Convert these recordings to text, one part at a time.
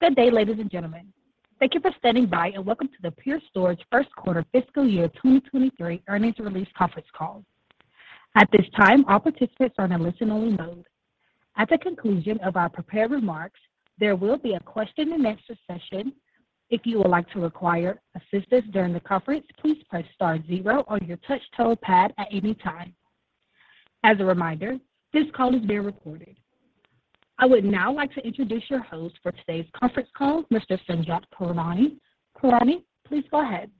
Good day, ladies and gentlemen. Thank you for standing by and welcome to the Everpure first quarter fiscal year 2023 earnings release conference call. At this time, all participants are in listen only mode. At the conclusion of our prepared remarks, there will be a question and answer session. If you would like to request assistance during the conference, please press star zero on your touch tone pad at any time. As a reminder, this call is being recorded. I would now like to introduce your host for today's conference call, Mr. Sanjot Khurana. Khurana, please go ahead.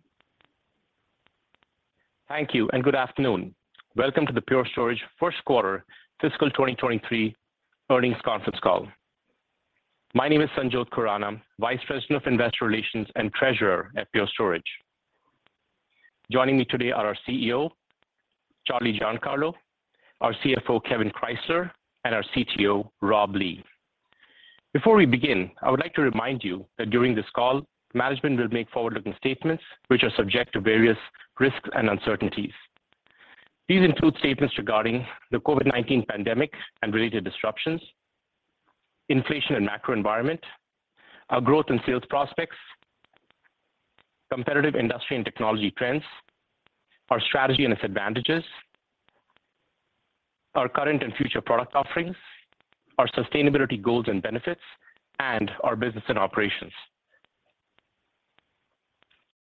Thank you and good afternoon. Welcome to the Everpure first quarter fiscal 2023 earnings conference call. My name is Sanjot Khurana, Vice President of Investor Relations and Treasurer at Everpure. Joining me today are our CEO, Charlie Giancarlo, our CFO, Kevan Krysler, and our CTO, Rob Lee. Before we begin, I would like to remind you that during this call, management will make forward-looking statements which are subject to various risks and uncertainties. These include statements regarding the COVID-19 pandemic and related disruptions, inflation and macro environment, our growth and sales prospects, competitive industry and technology trends, our strategy and its advantages, our current and future product offerings, our sustainability goals and benefits, and our business and operations.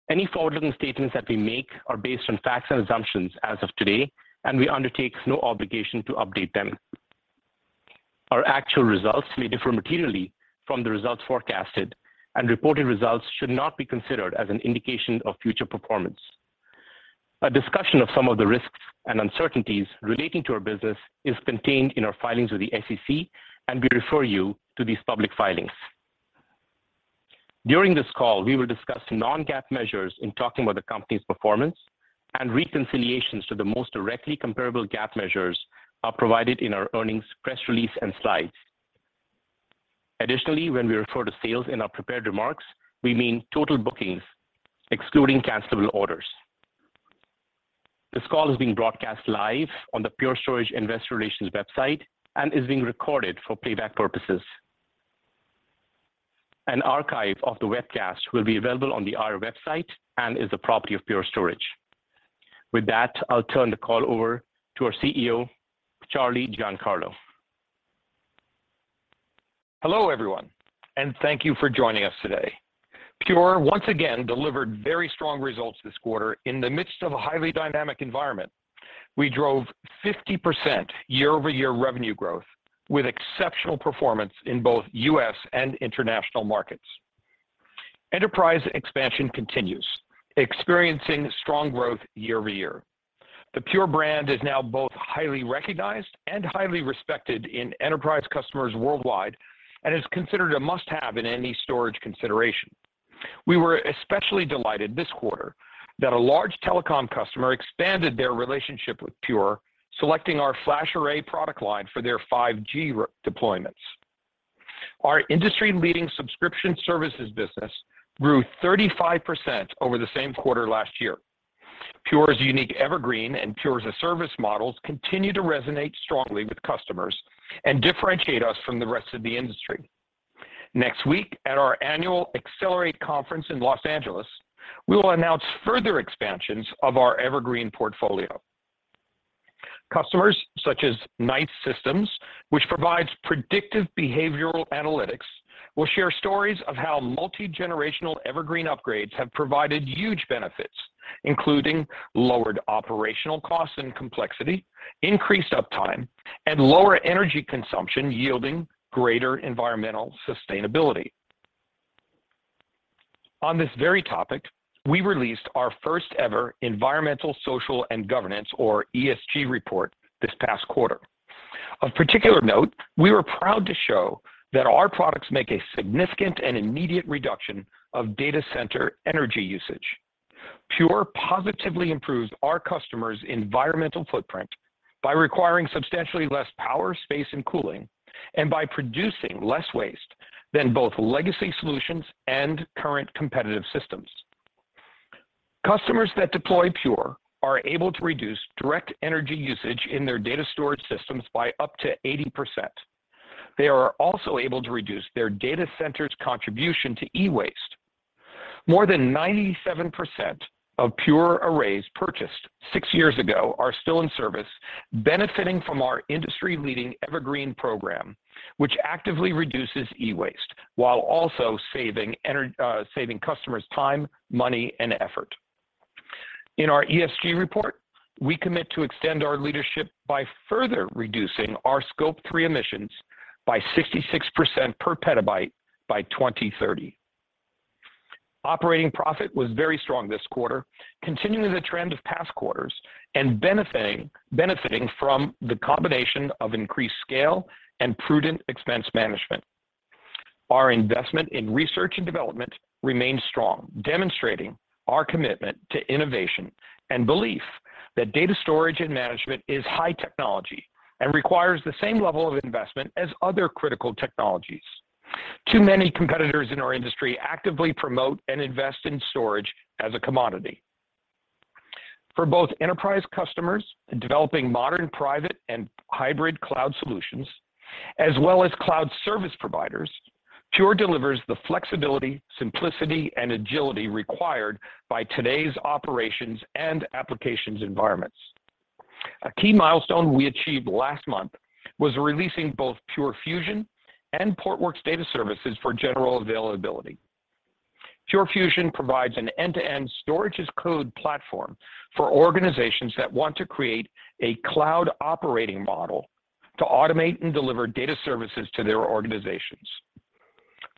Any forward-looking statements that we make are based on facts and assumptions as of today, and we undertake no obligation to update them. Our actual results may differ materially from the results forecasted, and reported results should not be considered as an indication of future performance. A discussion of some of the risks and uncertainties relating to our business is contained in our filings with the SEC, and we refer you to these public filings. During this call, we will discuss non-GAAP measures in talking about the company's performance and reconciliations to the most directly comparable GAAP measures are provided in our earnings press release and slides. Additionally, when we refer to sales in our prepared remarks, we mean total bookings excluding cancelable orders. This call is being broadcast live on the Everpure Investor Relations website and is being recorded for playback purposes. An archive of the webcast will be available on the IR website and is the property of Everpure. With that, I'll turn the call over to our CEO, Charlie Giancarlo. Hello, everyone, and thank you for joining us today. Everpure once again delivered very strong results this quarter in the midst of a highly dynamic environment. We drove 50% year-over-year revenue growth with exceptional performance in both US and international markets. Enterprise expansion continues, experiencing strong growth year over year. The Pure brand is now both highly recognized and highly respected in enterprise customers worldwide and is considered a must-have in any storage consideration. We were especially delighted this quarter that a large telecom customer expanded their relationship with Pure, selecting our FlashArray product line for their 5G deployments. Our industry-leading subscription services business grew 35% over the same quarter last year. Pure's unique Evergreen and Pure as-a-Service models continue to resonate strongly with customers and differentiate us from the rest of the industry. Next week at our annual Pure//Accelerate in Los Angeles, we will announce further expansions of our Evergreen portfolio. Customers such as Knight Systems, which provides predictive behavioral analytics, will share stories of how multi-generational Evergreen upgrades have provided huge benefits, including lowered operational costs and complexity, increased uptime, and lower energy consumption yielding greater environmental sustainability. On this very topic, we released our first ever environmental, social, and governance, or ESG report this past quarter. Of particular note, we were proud to show that our products make a significant and immediate reduction of data center energy usage. Pure positively improves our customers' environmental footprint by requiring substantially less power, space, and cooling, and by producing less waste than both legacy solutions and current competitive systems. Customers that deploy Pure are able to reduce direct energy usage in their data storage systems by up to 80%. They are also able to reduce their data center's contribution to e-waste. More than 97% of Pure arrays purchased six years ago are still in service, benefiting from our industry-leading Evergreen program, which actively reduces e-waste while also saving customers time, money, and effort. In our ESG report, we commit to extend our leadership by further reducing our Scope 3 emissions by 66% per petabyte by 2030. Operating profit was very strong this quarter, continuing the trend of past quarters and benefiting from the combination of increased scale and prudent expense management. Our investment in research and development remains strong, demonstrating our commitment to innovation and belief that data storage and management is high technology and requires the same level of investment as other critical technologies. Too many competitors in our industry actively promote and invest in storage as a commodity. For both enterprise customers in developing modern, private, and hybrid cloud solutions, as well as cloud service providers, Pure delivers the flexibility, simplicity, and agility required by today's operations and applications environments. A key milestone we achieved last month was releasing both Pure Fusion and Portworx Data Services for general availability. Pure Fusion provides an end-to-end storage as code platform for organizations that want to create a cloud operating model to automate and deliver data services to their organizations.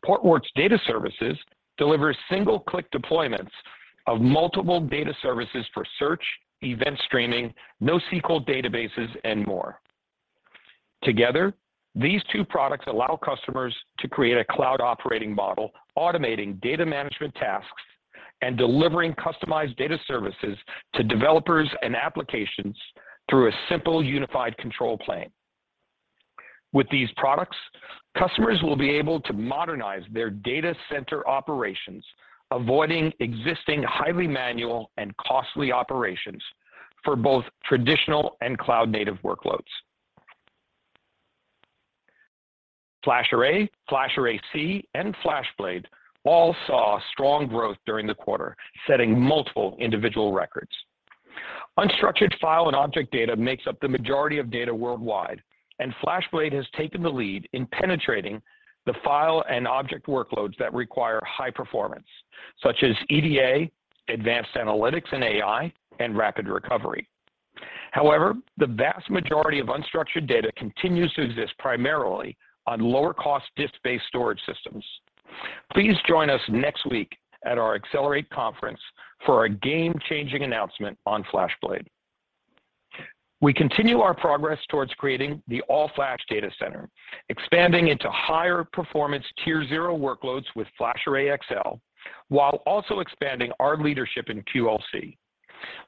Portworx Data Services delivers single-click deployments of multiple data services for search, event streaming, NoSQL databases, and more. Together, these two products allow customers to create a cloud operating model, automating data management tasks and delivering customized data services to developers and applications through a simple, unified control plane. With these products, customers will be able to modernize their data center operations, avoiding existing highly manual and costly operations for both traditional and cloud-native workloads. FlashArray//C, and FlashBlade all saw strong growth during the quarter, setting multiple individual records. Unstructured file and object data makes up the majority of data worldwide, and FlashBlade has taken the lead in penetrating the file and object workloads that require high performance, such as EDA, advanced analytics in AI, and rapid recovery. However, the vast majority of unstructured data continues to exist primarily on lower-cost disk-based storage systems. Please join us next week at our Pure//Accelerate conference for a game-changing announcement on FlashBlade. We continue our progress towards creating the all-flash data center, expanding into higher performance Tier 0 workloads with FlashArray//XL, while also expanding our leadership in QLC.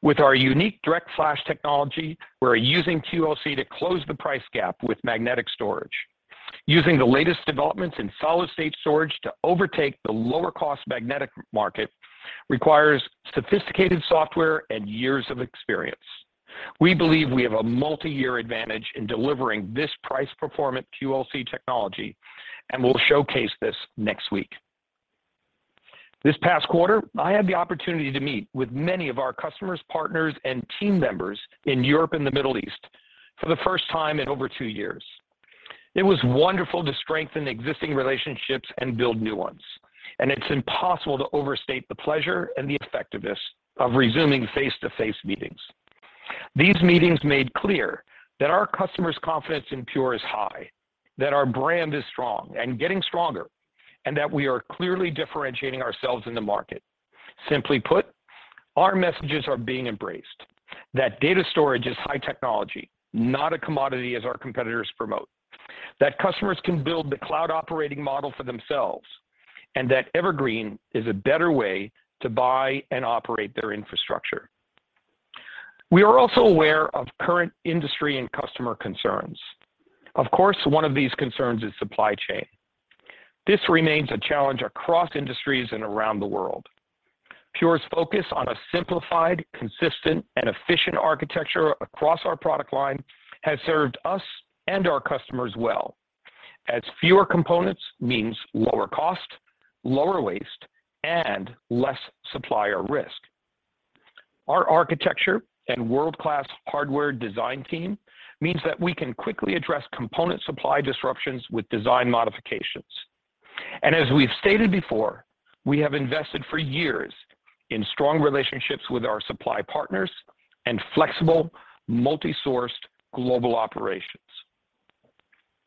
With our unique DirectFlash technology, we're using QLC to close the price gap with magnetic storage. Using the latest developments in solid-state storage to overtake the lower-cost magnetic market requires sophisticated software and years of experience. We believe we have a multi-year advantage in delivering this price performant QLC technology, and we'll showcase this next week. This past quarter, I had the opportunity to meet with many of our customers, partners, and team members in Europe and the Middle East for the first time in over two years. It was wonderful to strengthen existing relationships and build new ones, and it's impossible to overstate the pleasure and the effectiveness of resuming face-to-face meetings. These meetings made clear that our customers' confidence in Everpure is high, that our brand is strong and getting stronger, and that we are clearly differentiating ourselves in the market. Simply put, our messages are being embraced that data storage is high technology, not a commodity as our competitors promote. That customers can build the cloud operating model for themselves, and that Evergreen is a better way to buy and operate their infrastructure. We are also aware of current industry and customer concerns. Of course, one of these concerns is supply chain. This remains a challenge across industries and around the world. Everpure's focus on a simplified, consistent, and efficient architecture across our product line has served us and our customers well, as fewer components means lower cost, lower waste, and less supplier risk. Our architecture and world-class hardware design team means that we can quickly address component supply disruptions with design modifications. As we've stated before, we have invested for years in strong relationships with our supply partners and flexible multi-sourced global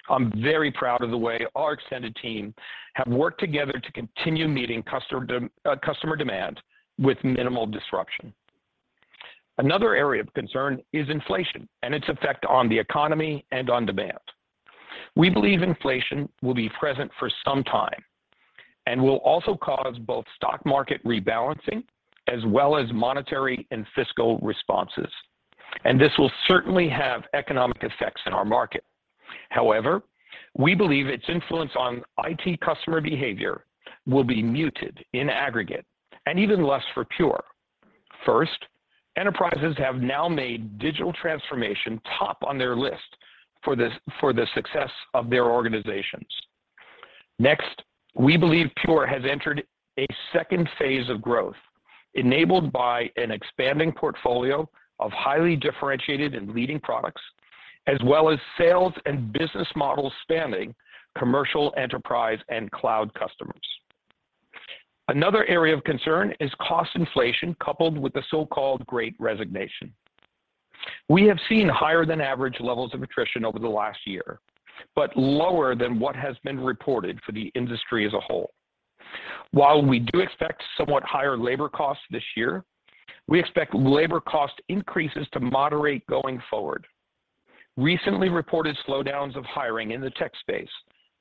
operations. I'm very proud of the way our extended team have worked together to continue meeting customer demand with minimal disruption. Another area of concern is inflation and its effect on the economy and on demand. We believe inflation will be present for some time and will also cause both stock market rebalancing as well as monetary and fiscal responses. This will certainly have economic effects in our market. However, we believe its influence on IT customer behavior will be muted in aggregate and even less for Pure. First, enterprises have now made digital transformation top on their list for the success of their organizations. Next, we believe Pure has entered a second phase of growth, enabled by an expanding portfolio of highly differentiated and leading products, as well as sales and business models spanning commercial enterprise and cloud customers. Another area of concern is cost inflation coupled with the so-called Great Resignation. We have seen higher than average levels of attrition over the last year, but lower than what has been reported for the industry as a whole. While we do expect somewhat higher labor costs this year, we expect labor cost increases to moderate going forward. Recently reported slowdowns of hiring in the tech space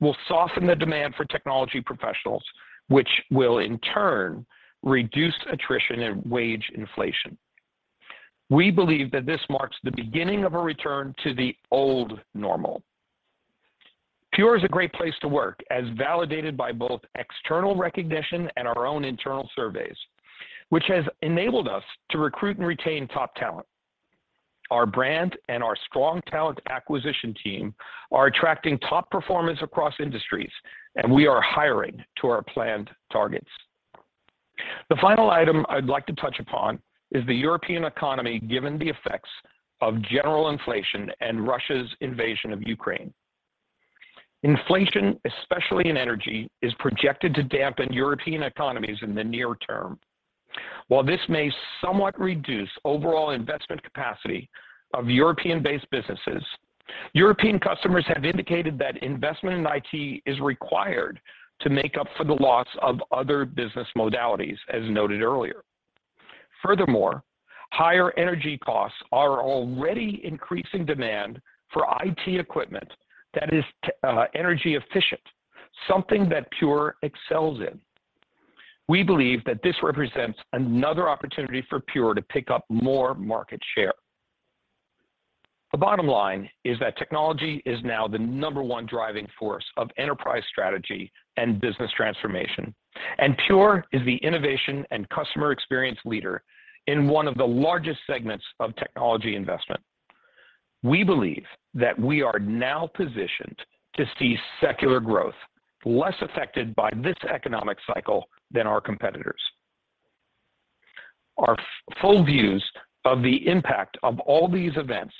will soften the demand for technology professionals, which will in turn reduce attrition and wage inflation. We believe that this marks the beginning of a return to the old normal. Pure is a great place to work, as validated by both external recognition and our own internal surveys, which has enabled us to recruit and retain top talent. Our brand and our strong talent acquisition team are attracting top performers across industries, and we are hiring to our planned targets. The final item I'd like to touch upon is the European economy, given the effects of general inflation and Russia's invasion of Ukraine. Inflation, especially in energy, is projected to dampen European economies in the near term. While this may somewhat reduce overall investment capacity of European-based businesses, European customers have indicated that investment in IT is required to make up for the loss of other business modalities, as noted earlier. Furthermore, higher energy costs are already increasing demand for IT equipment that is energy efficient, something that Pure excels in. We believe that this represents another opportunity for Pure to pick up more market share. The bottom line is that technology is now the number one driving force of enterprise strategy and business transformation, and Pure is the innovation and customer experience leader in one of the largest segments of technology investment. We believe that we are now positioned to see secular growth less affected by this economic cycle than our competitors. Our full views of the impact of all these events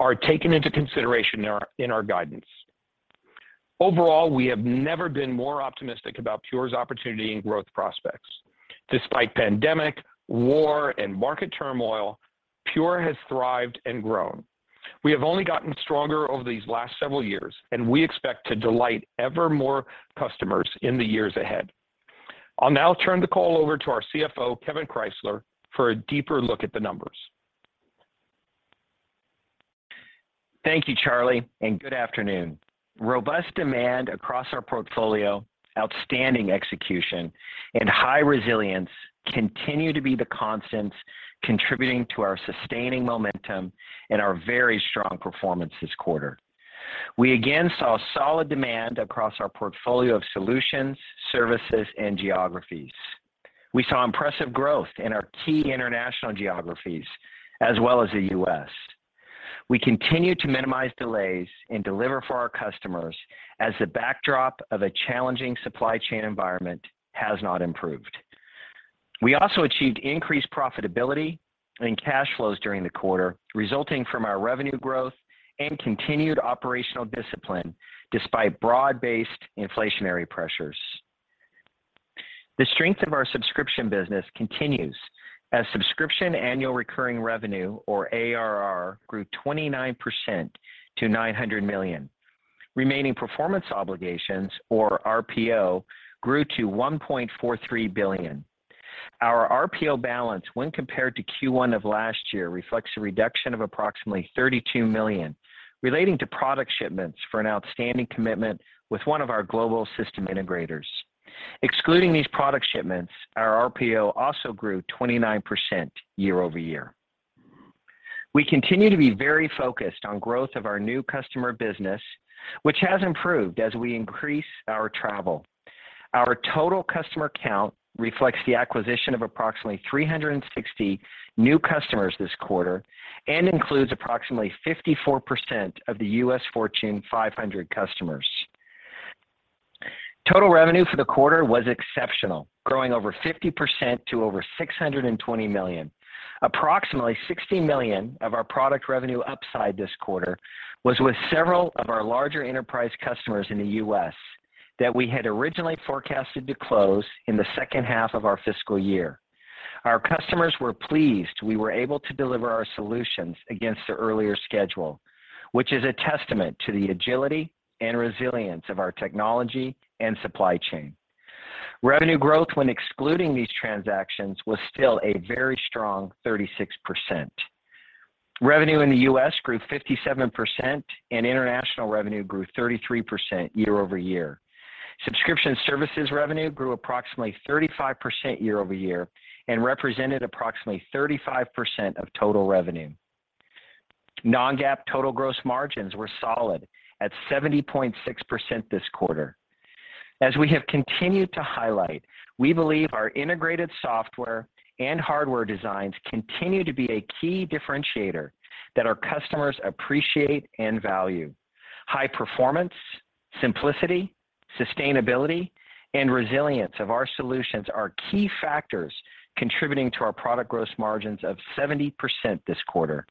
are taken into consideration in our guidance. Overall, we have never been more optimistic about Everpure's opportunity and growth prospects. Despite pandemic, war, and market turmoil, Everpure has thrived and grown. We have only gotten stronger over these last several years, and we expect to delight ever more customers in the years ahead. I'll now turn the call over to our CFO, Kevan Krysler, for a deeper look at the numbers. Thank you, Charlie, and good afternoon. Robust demand across our portfolio, outstanding execution, and high resilience continue to be the constants contributing to our sustaining momentum and our very strong performance this quarter. We again saw solid demand across our portfolio of solutions, services, and geographies. We saw impressive growth in our key international geographies as well as the US. We continue to minimize delays and deliver for our customers as the backdrop of a challenging supply chain environment has not improved. We also achieved increased profitability and cash flows during the quarter, resulting from our revenue growth and continued operational discipline despite broad-based inflationary pressures. The strength of our subscription business continues as subscription annual recurring revenue, or ARR, grew 29% to $900 million. Remaining performance obligations, or RPO, grew to $1.43 billion. Our RPO balance when compared to Q1 of last year reflects a reduction of approximately $32 million relating to product shipments for an outstanding commitment with one of our global system integrators. Excluding these product shipments, our RPO also grew 29% year-over-year. We continue to be very focused on growth of our new customer business, which has improved as we increase our travel. Our total customer count reflects the acquisition of approximately 360 new customers this quarter and includes approximately 54% of the U.S. Fortune 500 customers. Total revenue for the quarter was exceptional, growing over 50% to over $620 million. Approximately $60 million of our product revenue upside this quarter was with several of our larger enterprise customers in the US that we had originally forecasted to close in the second half of our fiscal year. Our customers were pleased we were able to deliver our solutions against the earlier schedule, which is a testament to the agility and resilience of our technology and supply chain. Revenue growth when excluding these transactions was still a very strong 36%. Revenue in the U.S. grew 57%, and international revenue grew 33% year-over-year. Subscription services revenue grew approximately 35% year-over-year and represented approximately 35% of total revenue. Non-GAAP total gross margins were solid at 70.6% this quarter. As we have continued to highlight, we believe our integrated software and hardware designs continue to be a key differentiator that our customers appreciate and value. High performance, simplicity, sustainability, and resilience of our solutions are key factors contributing to our product gross margins of 70% this quarter.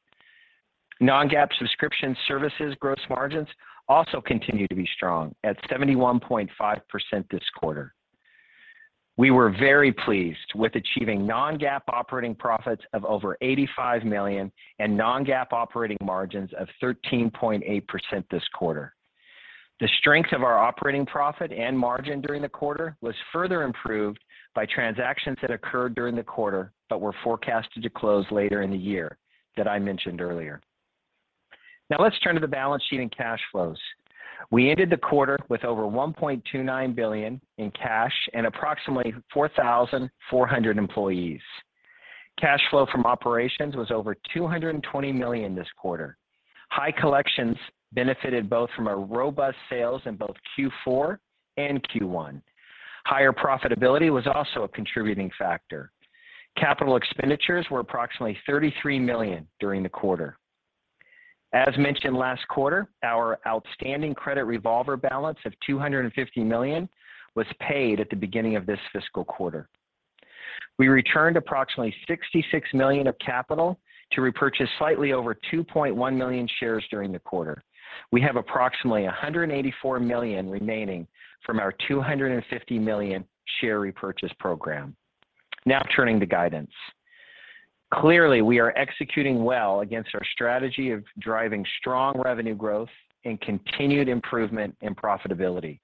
Non-GAAP subscription services gross margins also continue to be strong at 71.5% this quarter. We were very pleased with achieving non-GAAP operating profits of over $85 million and non-GAAP operating margins of 13.8% this quarter. The strength of our operating profit and margin during the quarter was further improved by transactions that occurred during the quarter but were forecasted to close later in the year that I mentioned earlier. Now let's turn to the balance sheet and cash flows. We ended the quarter with over $1.29 billion in cash and approximately 4,400 employees. Cash flow from operations was over $220 million this quarter. High collections benefited both from a robust sales in both Q4 and Q1. Higher profitability was also a contributing factor. Capital expenditures were approximately $33 million during the quarter. As mentioned last quarter, our outstanding credit revolver balance of $250 million was paid at the beginning of this fiscal quarter. We returned approximately $66 million of capital to repurchase slightly over 2.1 million shares during the quarter. We have approximately $184 million remaining from our $250 million share repurchase program. Now turning to guidance. Clearly, we are executing well against our strategy of driving strong revenue growth and continued improvement in profitability.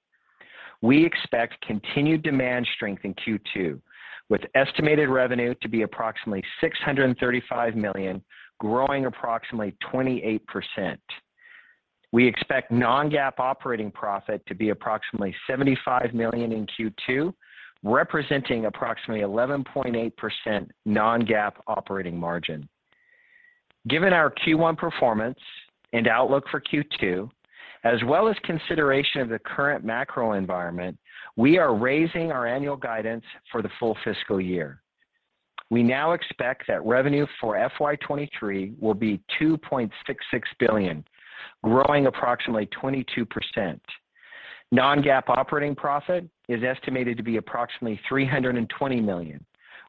We expect continued demand strength in Q2, with estimated revenue to be approximately $635 million, growing approximately 28%. We expect non-GAAP operating profit to be approximately $75 million in Q2, representing approximately 11.8% non-GAAP operating margin. Given our Q1 performance and outlook for Q2, as well as consideration of the current macro environment, we are raising our annual guidance for the full fiscal year. We now expect that revenue for FY 2023 will be $2.66 billion, growing approximately 22%. non-GAAP operating profit is estimated to be approximately $320 million,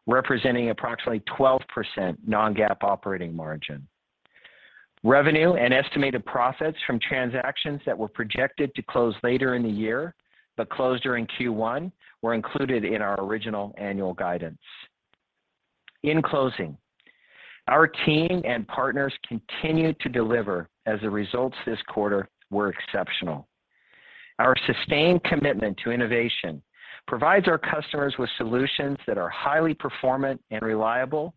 representing approximately 12% non-GAAP operating margin. Revenue and estimated profits from transactions that were projected to close later in the year but closed during Q1 were included in our original annual guidance. In closing, our team and partners continued to deliver as the results this quarter were exceptional. Our sustained commitment to innovation provides our customers with solutions that are highly performant and reliable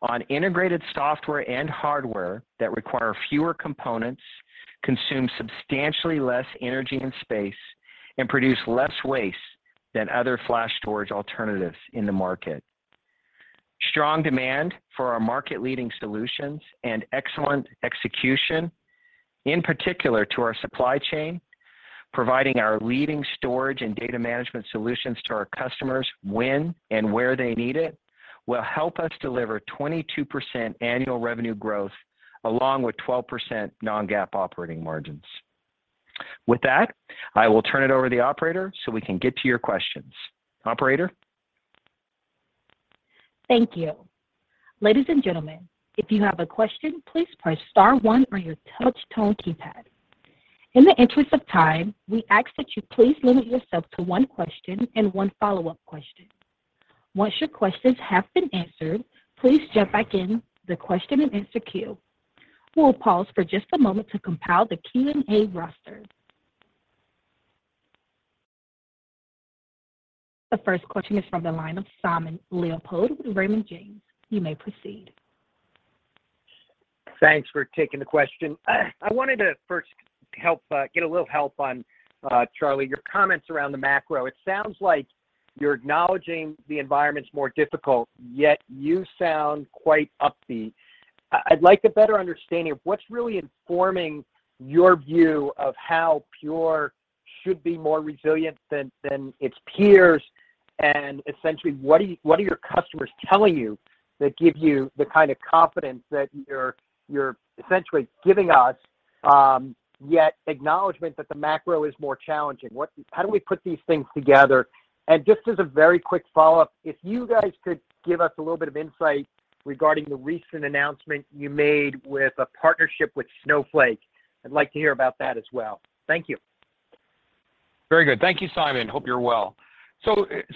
on integrated software and hardware that require fewer components, consume substantially less energy and space, and produce less waste than other flash storage alternatives in the market. Strong demand for our market-leading solutions and excellent execution, in particular to our supply chain, providing our leading storage and data management solutions to our customers when and where they need it will help us deliver 22% annual revenue growth along with 12% non-GAAP operating margins. With that, I will turn it over to the operator so we can get to your questions. Operator? Thank you. Ladies and gentlemen, if you have a question, please press star one on your touch tone keypad. In the interest of time, we ask that you please limit yourself to one question and one follow-up question. Once your questions have been answered, please jump back in the question and answer queue. We'll pause for just a moment to compile the Q&A roster. The first question is from the line of Simon Leopold with Raymond James. You may proceed. Thanks for taking the question. I wanted to first get a little help on Charlie, your comments around the macro. It sounds like you're acknowledging the environment's more difficult, yet you sound quite upbeat. I'd like a better understanding of what's really informing your view of how Pure should be more resilient than its peers, and essentially, what are your customers telling you that give you the kind of confidence that you're essentially giving us, yet acknowledgment that the macro is more challenging? How do we put these things together? Just as a very quick follow-up, if you guys could give us a little bit of insight regarding the recent announcement you made with a partnership with Snowflake. I'd like to hear about that as well. Thank you. Very good. Thank you, Simon. Hope you're well.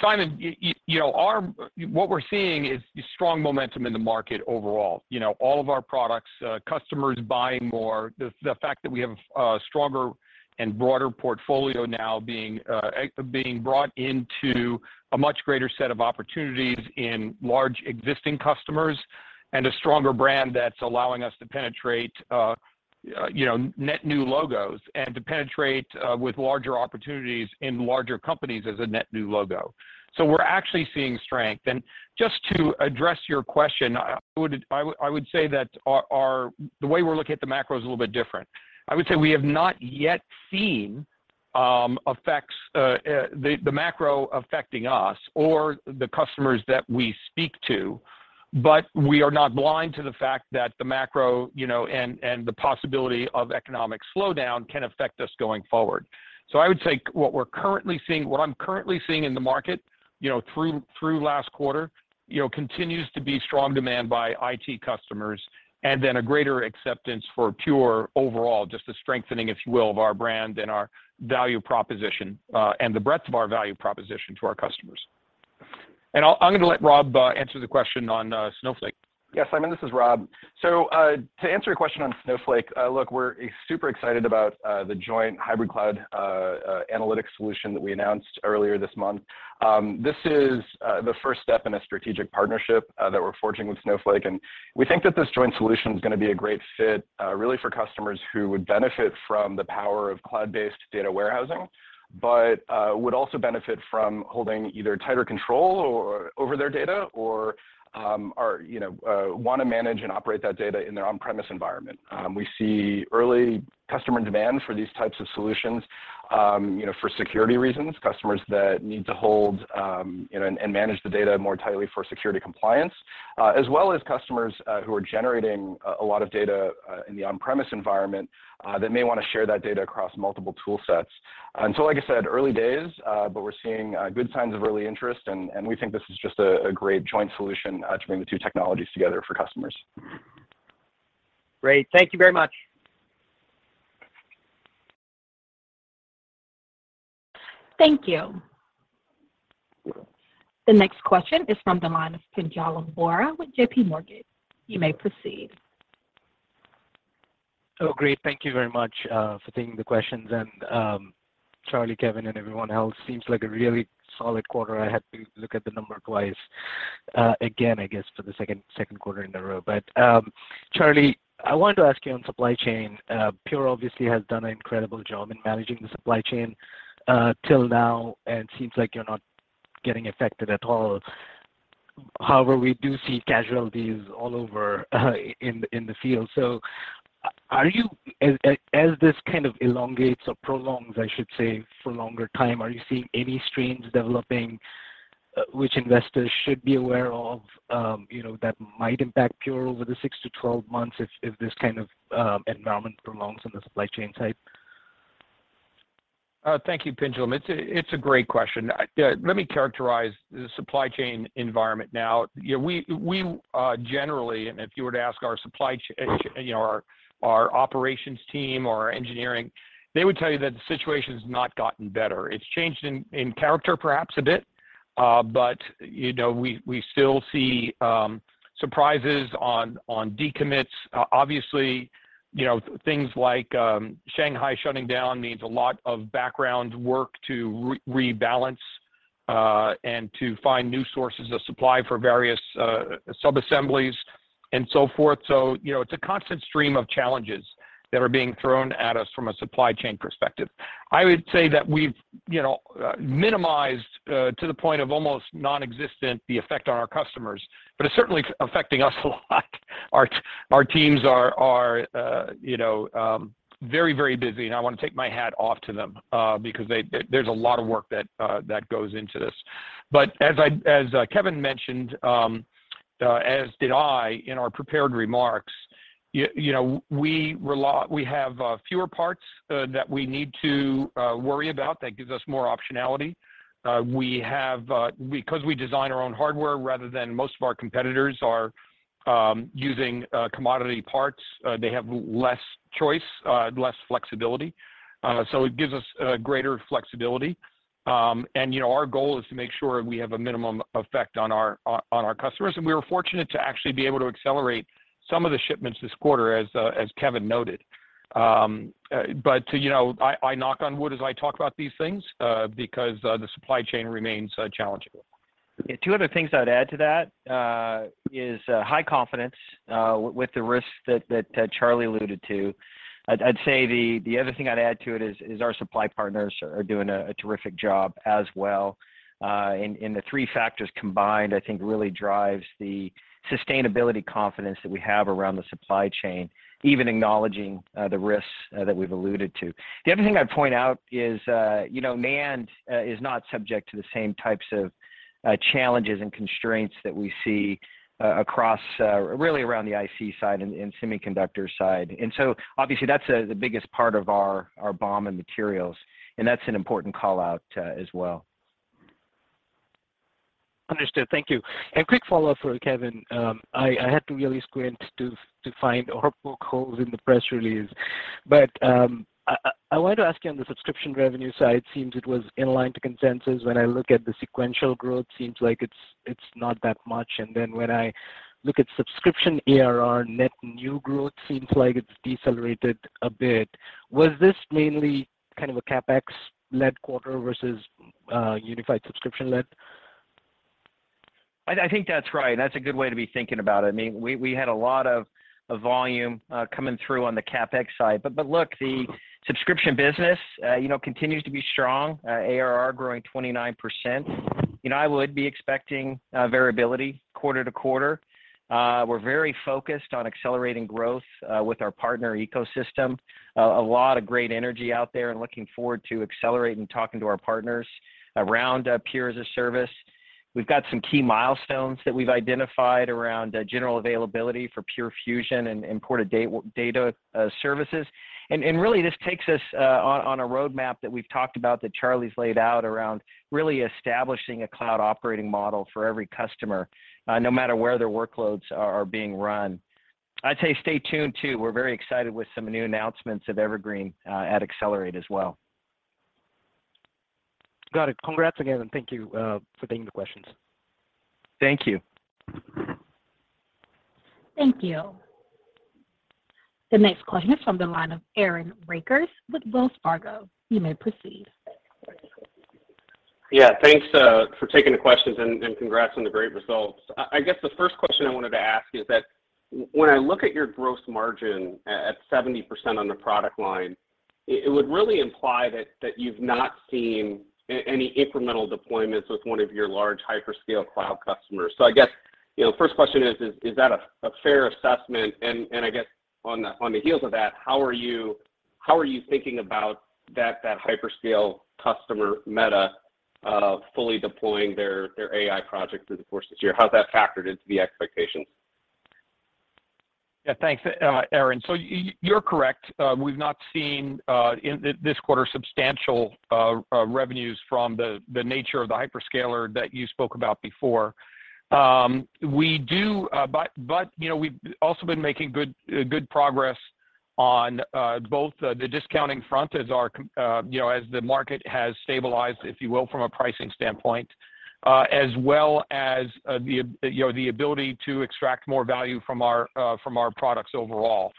Simon, you know, what we're seeing is strong momentum in the market overall. You know, all of our products, customers buying more. The fact that we have a stronger and broader portfolio now being brought into a much greater set of opportunities in large existing customers and a stronger brand that's allowing us to penetrate, you know, net new logos and to penetrate with larger opportunities in larger companies as a net new logo. We're actually seeing strength. Just to address your question, I would say that the way we're looking at the macro is a little bit different. I would say we have not yet seen effects, the macro affecting us or the customers that we speak to, but we are not blind to the fact that the macro, you know, and the possibility of economic slowdown can affect us going forward. I would say what we're currently seeing, what I'm currently seeing in the market, you know, through last quarter, you know, continues to be strong demand by IT customers and then a greater acceptance for Pure overall, just the strengthening, if you will, of our brand and our value proposition, and the breadth of our value proposition to our customers. I'll let Rob answer the question on Snowflake. Yeah, Simon, this is Rob. To answer your question on Snowflake, look, we're super excited about the joint hybrid cloud analytics solution that we announced earlier this month. This is the first step in a strategic partnership that we're forging with Snowflake, and we think that this joint solution is gonna be a great fit, really for customers who would benefit from the power of cloud-based data warehousing, but would also benefit from holding either tighter control over their data or you know wanna manage and operate that data in their on-premises environment. We see early customer demand for these types of solutions. You know, for security reasons, customers that need to hold, you know, and manage the data more tightly for security compliance, as well as customers who are generating a lot of data in the on-premise environment that may wanna share that data across multiple tool sets. Like I said, early days, but we're seeing good signs of early interest, and we think this is just a great joint solution to bring the two technologies together for customers. Great. Thank you very much. Thank you. The next question is from the line of Pinjalim Bora with JPMorgan. You may proceed. Oh, great. Thank you very much for taking the questions. Charlie, Kevan Krysler, and everyone else, seems like a really solid quarter. I had to look at the number twice again, I guess for the second quarter in a row. Charlie, I wanted to ask you on supply chain. Everpure obviously has done an incredible job in managing the supply chain till now, and it seems like you're not getting affected at all. However, we do see casualties all over in the field. So, as this kind of elongates or prolongs, I should say, for longer time, are you seeing any strains developing which investors should be aware of, you know, that might impact Everpure over the 6-12 months if this kind of environment prolongs in the supply chain tight? Thank you, Pinjal. It's a great question. Let me characterize the supply chain environment now. Generally, and if you were to ask our supply chain operations team or our engineering, they would tell you that the situation has not gotten better. It's changed in character perhaps a bit, but we still see surprises on decommits. Obviously, things like Shanghai shutting down means a lot of background work to rebalance and to find new sources of supply for various sub-assemblies and so forth. It's a constant stream of challenges that are being thrown at us from a supply chain perspective. I would say that we've, you know, minimized to the point of almost nonexistent the effect on our customers, but it's certainly affecting us a lot. Our teams are, you know, very, very busy, and I wanna take my hat off to them, because they. There's a lot of work that goes into this. As I, as Kevan mentioned, as did I in our prepared remarks, you know, we have fewer parts that we need to worry about that gives us more optionality. 'Cause we design our own hardware rather than most of our competitors are using commodity parts, they have less choice, less flexibility. It gives us greater flexibility. You know, our goal is to make sure we have a minimum effect on our customers. We were fortunate to actually be able to accelerate some of the shipments this quarter, as Kevan noted. You know, I knock on wood as I talk about these things, because the supply chain remains challenging. Two other things I'd add to that is high confidence with the risks that Charlie alluded to. I'd say the other thing I'd add to it is our supply partners are doing a terrific job as well. The three factors combined, I think really drives the sustainability confidence that we have around the supply chain, even acknowledging the risks that we've alluded to. The other thing I'd point out is, you know, NAND is not subject to the same types of challenges and constraints that we see across really around the IC side and semiconductor side. Obviously that's the biggest part of our BOM and materials, and that's an important call-out as well. Understood. Thank you. Quick follow-up for Kevin. I had to really squint to find hopeful calls in the press release. I wanted to ask you on the subscription revenue side. It seems it was in line with consensus. When I look at the sequential growth, it seems like it's not that much. Then when I look at subscription ARR net new growth, it seems like it's decelerated a bit. Was this mainly kind of a CapEx-led quarter versus unified subscription-led? I think that's right. That's a good way to be thinking about it. I mean, we had a lot of volume coming through on the CapEx side. Look, the subscription business, you know, continues to be strong, ARR growing 29%. You know, I would be expecting variability quarter to quarter. We're very focused on accelerating growth with our partner ecosystem. A lot of great energy out there and looking forward to accelerating and talking to our partners around Pure as-a-Service. We've got some key milestones that we've identified around general availability for Pure Fusion and Portworx Data Services. Really this takes us on a roadmap that we've talked about, that Charlie's laid out around really establishing a cloud operating model for every customer, no matter where their workloads are being run. I'd say stay tuned, too. We're very excited with some new announcements at Evergreen at Accelerate as well. Got it. Congrats again, and thank you for taking the questions. Thank you. Thank you. The next question is from the line of Aaron Rakers with Wells Fargo. You may proceed. Yeah. Thanks for taking the questions, and congrats on the great results. I guess the first question I wanted to ask is that when I look at your gross margin at 70% on the product line, it would really imply that you've not seen any incremental deployments with one of your large hyperscale cloud customers. So I guess- You know, first question is that a fair assessment? I guess on the heels of that, how are you thinking about that hyperscale customer Meta fully deploying their AI project through the course of this year? How's that factored into the expectations? Yeah. Thanks, Aaron. You're correct. We've not seen in this quarter substantial revenues from the nature of the hyperscaler that you spoke about before. We do, but you know, we've also been making good progress on both the discounting front, you know, as the market has stabilized, if you will, from a pricing standpoint, as well as the ability to extract more value from our products overall.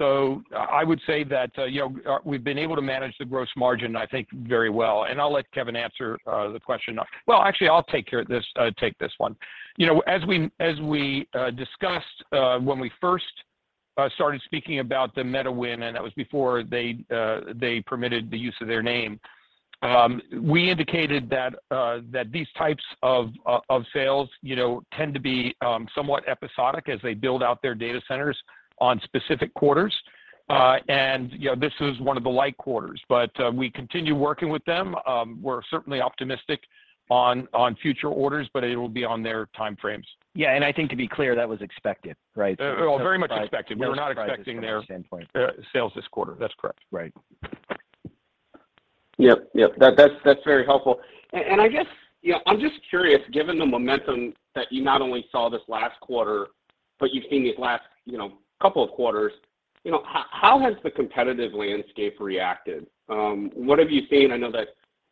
I would say that, you know, we've been able to manage the gross margin, I think, very well. I'll let Kevan answer the question. Well, actually, I'll take care of this one. You know, as we discussed when we first started speaking about the Meta win, and that was before they permitted the use of their name, we indicated that these types of sales, you know, tend to be somewhat episodic as they build out their data centers in specific quarters. You know, this is one of the light quarters, but we continue working with them. We're certainly optimistic on future orders, but it'll be on their time frames. Yeah. I think to be clear, that was expected, right? Very much expected. We're not expecting their sales this quarter. That's correct, right? Yep. That's very helpful. I guess, you know, I'm just curious, given the momentum that you not only saw this last quarter, but you've seen these last, you know, couple of quarters, you know, how has the competitive landscape reacted? What have you seen? I know that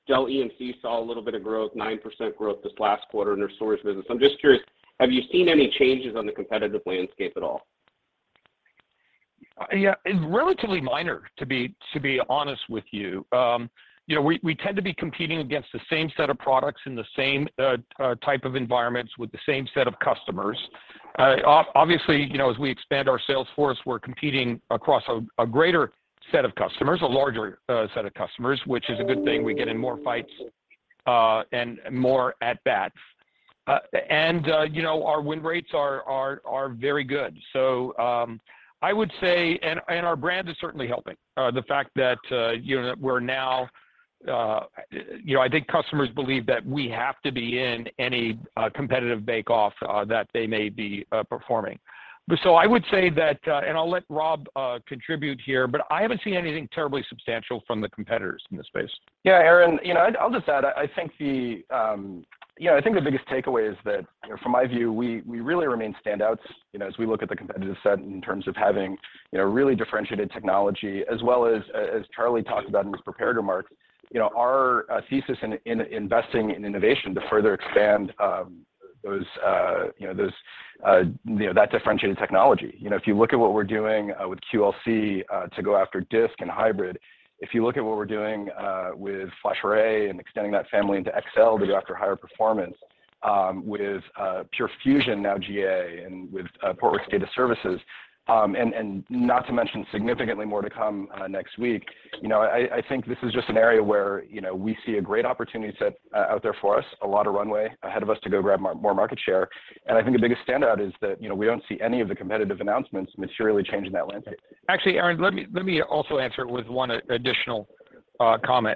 Dell EMC saw a little bit of growth, 9% growth this last quarter in their storage business. I'm just curious, have you seen any changes on the competitive landscape at all? Yeah. It's relatively minor, to be honest with you. You know, we tend to be competing against the same set of products in the same type of environments with the same set of customers. Obviously, you know, as we expand our sales force, we're competing across a greater set of customers, a larger set of customers, which is a good thing. We get in more fights and more at bats. You know, our win rates are very good. I would say, and our brand is certainly helping. The fact that, you know, we're now, you know, I think customers believe that we have to be in any competitive bake off that they may be performing. I would say that, and I'll let Rob contribute here, but I haven't seen anything terribly substantial from the competitors in this space. Yeah, Aaron, you know, I'll just add, I think the biggest takeaway is that, you know, from my view, we really remain standouts, you know, as we look at the competitive set in terms of having, you know, really differentiated technology as well as Charlie talked about in his prepared remarks. You know, our thesis in investing in innovation to further expand that differentiated technology. You know, if you look at what we're doing with QLC to go after disk and hybrid, if you look at what we're doing with FlashArray and extending that family into XL to go after higher performance, with Pure Fusion now GA and with Portworx Data Services, and not to mention significantly more to come next week. You know, I think this is just an area where, you know, we see a great opportunity set out there for us, a lot of runway ahead of us to go grab more market share. I think the biggest standout is that, you know, we don't see any of the competitive announcements materially changing that landscape. Actually, Aaron, let me also answer with one additional comment,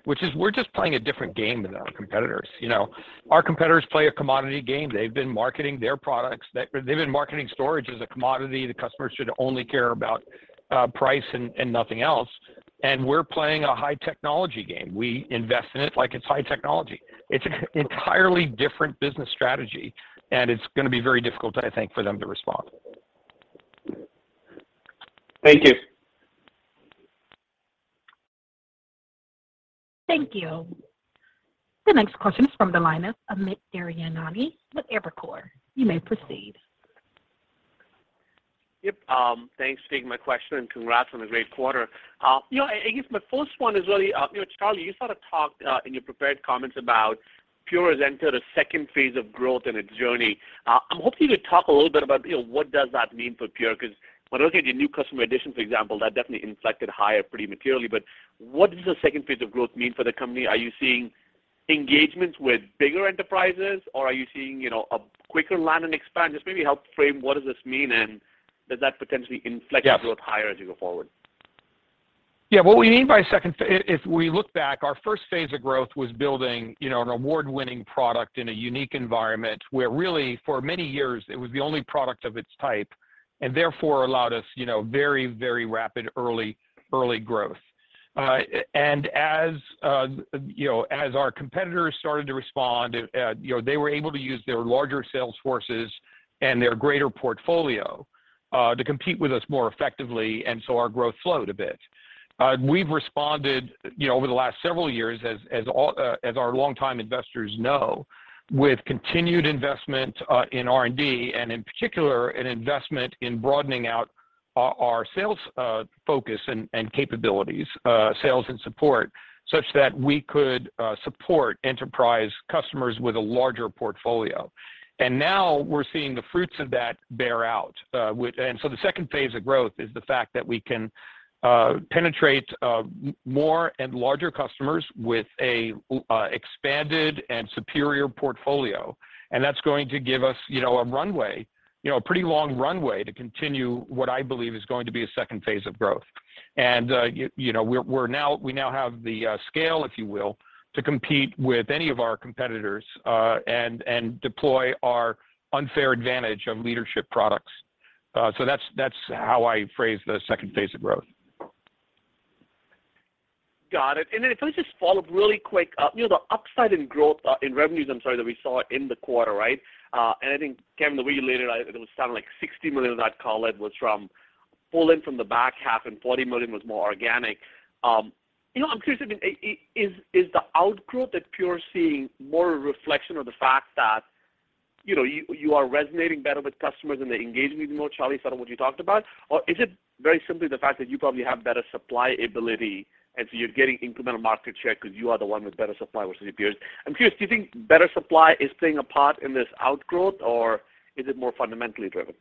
which is we're just playing a different game than our competitors. You know, our competitors play a commodity game. They've been marketing their products. They've been marketing storage as a commodity. The customers should only care about price and nothing else. We're playing a high technology game. We invest in it like it's high technology. It's an entirely different business strategy, and it's going to be very difficult, I think, for them to respond. Thank you. Thank you. The next question is from the line of Amit Daryanani with Evercore. You may proceed. Yep. Thanks for taking my question, and congrats on a great quarter. You know, I guess my first one is really, you know, Charlie, you sort of talked in your prepared comments about Pure has entered a second phase of growth in its journey. I'm hoping you could talk a little bit about, you know, what does that mean for Pure, because when I look at your new customer addition, for example, that definitely inflected higher pretty materially. What does the second phase of growth mean for the company? Are you seeing engagements with bigger enterprises, or are you seeing, you know, a quicker land and expand? Just maybe help frame what does this mean, and does that potentially inflect- Yeah. growth higher as you go forward? Yeah. What we mean by second phase. If we look back, our first phase of growth was building, you know, an award-winning product in a unique environment where really for many years it was the only product of its type and therefore allowed us, you know, very rapid early growth. As you know, as our competitors started to respond, you know, they were able to use their larger sales forces and their greater portfolio to compete with us more effectively, and so our growth slowed a bit. We've responded, you know, over the last several years as our longtime investors know, with continued investment in R&D and in particular an investment in broadening out our sales focus and capabilities, sales and support such that we could support enterprise customers with a larger portfolio. Now we're seeing the fruits of that bear out. The second phase of growth is the fact that we can penetrate more and larger customers with an expanded and superior portfolio, and that's going to give us, you know, a runway, you know, a pretty long runway to continue what I believe is going to be a second phase of growth. You know, we're now we now have the scale, if you will, to compete with any of our competitors, and deploy our unfair advantage of leadership products. So that's how I phrase the second phase of growth. Got it. Then if I could just follow up really quick. You know, the upside in growth in revenues, I'm sorry, that we saw in the quarter, right? I think, Kevin, the way you laid it out, it was something like $60 million, I'd call it, was from pull-in from the back half and $40 million was more organic. You know, I'm curious, I mean, is the outgrowth that Pure is seeing more a reflection of the fact that, you know, you are resonating better with customers and they're engaging with you more, Charlie, sort of what you talked about? Or is it very simply the fact that you probably have better supply ability and so you're getting incremental market share because you are the one with better supply versus your peers? I'm curious, do you think better supply is playing a part in this outgrowth, or is it more fundamentally driven?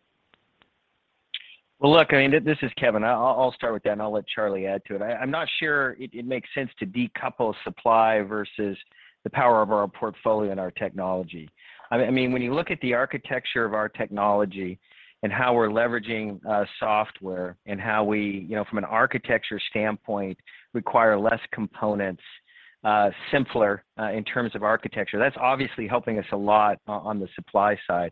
Well, look, I mean, this is Kevan. I'll start with that, and I'll let Charlie add to it. I'm not sure it makes sense to decouple supply versus the power of our portfolio and our technology. I mean, when you look at the architecture of our technology and how we're leveraging software and how we, you know, from an architecture standpoint, require less components, simpler in terms of architecture, that's obviously helping us a lot on the supply side.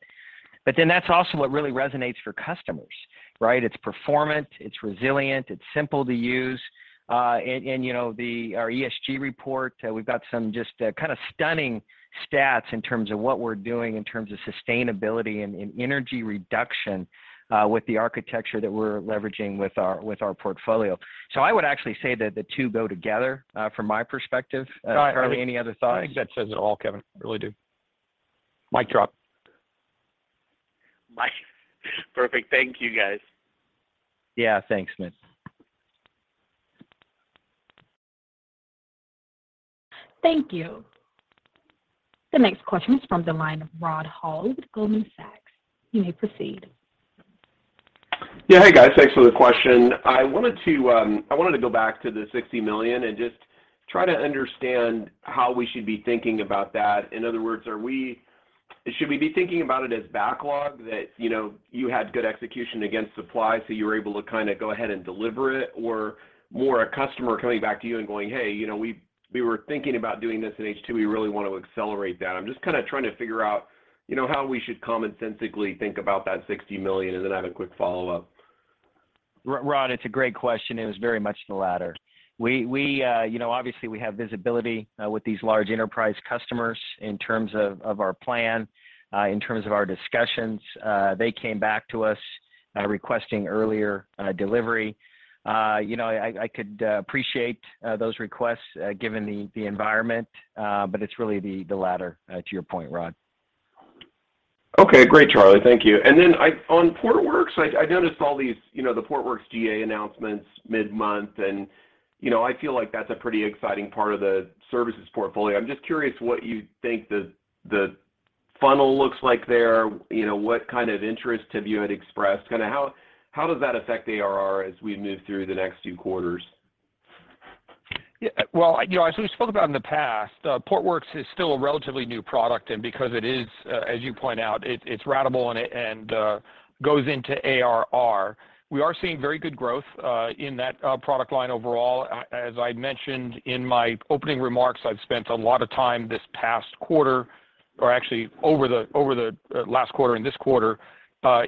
Then that's also what really resonates for customers, right? It's performant, it's resilient, it's simple to use. You know, our ESG report, we've got some just kind of stunning stats in terms of what we're doing in terms of sustainability and energy reduction with the architecture that we're leveraging with our portfolio. I would actually say that the two go together, from my perspective. All right. Charlie, any other thoughts? I think that says it all, Kevan. I really do. Mic drop. Mic perfect. Thank you, guys. Yeah, thanks, Vince. Thank you. The next question is from the line of Rod Hall with Goldman Sachs. You may proceed. Yeah. Hey, guys. Thanks for the question. I wanted to go back to the $60 million and just try to understand how we should be thinking about that. In other words, should we be thinking about it as backlog that, you know, you had good execution against supply, so you were able to kind of go ahead and deliver it? Or more a customer coming back to you and going, "Hey, you know, we were thinking about doing this in H2, we really want to accelerate that." I'm just kind of trying to figure out, you know, how we should commonsensically think about that $60 million, and then I have a quick follow-up. Rod, it's a great question, and it's very much the latter. We, you know, obviously we have visibility with these large enterprise customers in terms of our plan in terms of our discussions. They came back to us requesting earlier delivery. You know, I could appreciate those requests given the environment, but it's really the latter to your point, Rod. Okay, great, Charlie. Thank you. On Portworx, I noticed all these, you know, the Portworx GA announcements mid-month, and, you know, I feel like that's a pretty exciting part of the services portfolio. I'm just curious what you think the funnel looks like there. You know, what kind of interest have you had expressed? Kinda how does that affect ARR as we move through the next few quarters? Yeah. Well, you know, as we spoke about in the past, Portworx is still a relatively new product, and because it is, as you point out, it's ratable and goes into ARR. We are seeing very good growth in that product line overall. As I mentioned in my opening remarks, I've spent a lot of time this past quarter, or actually over the last quarter and this quarter,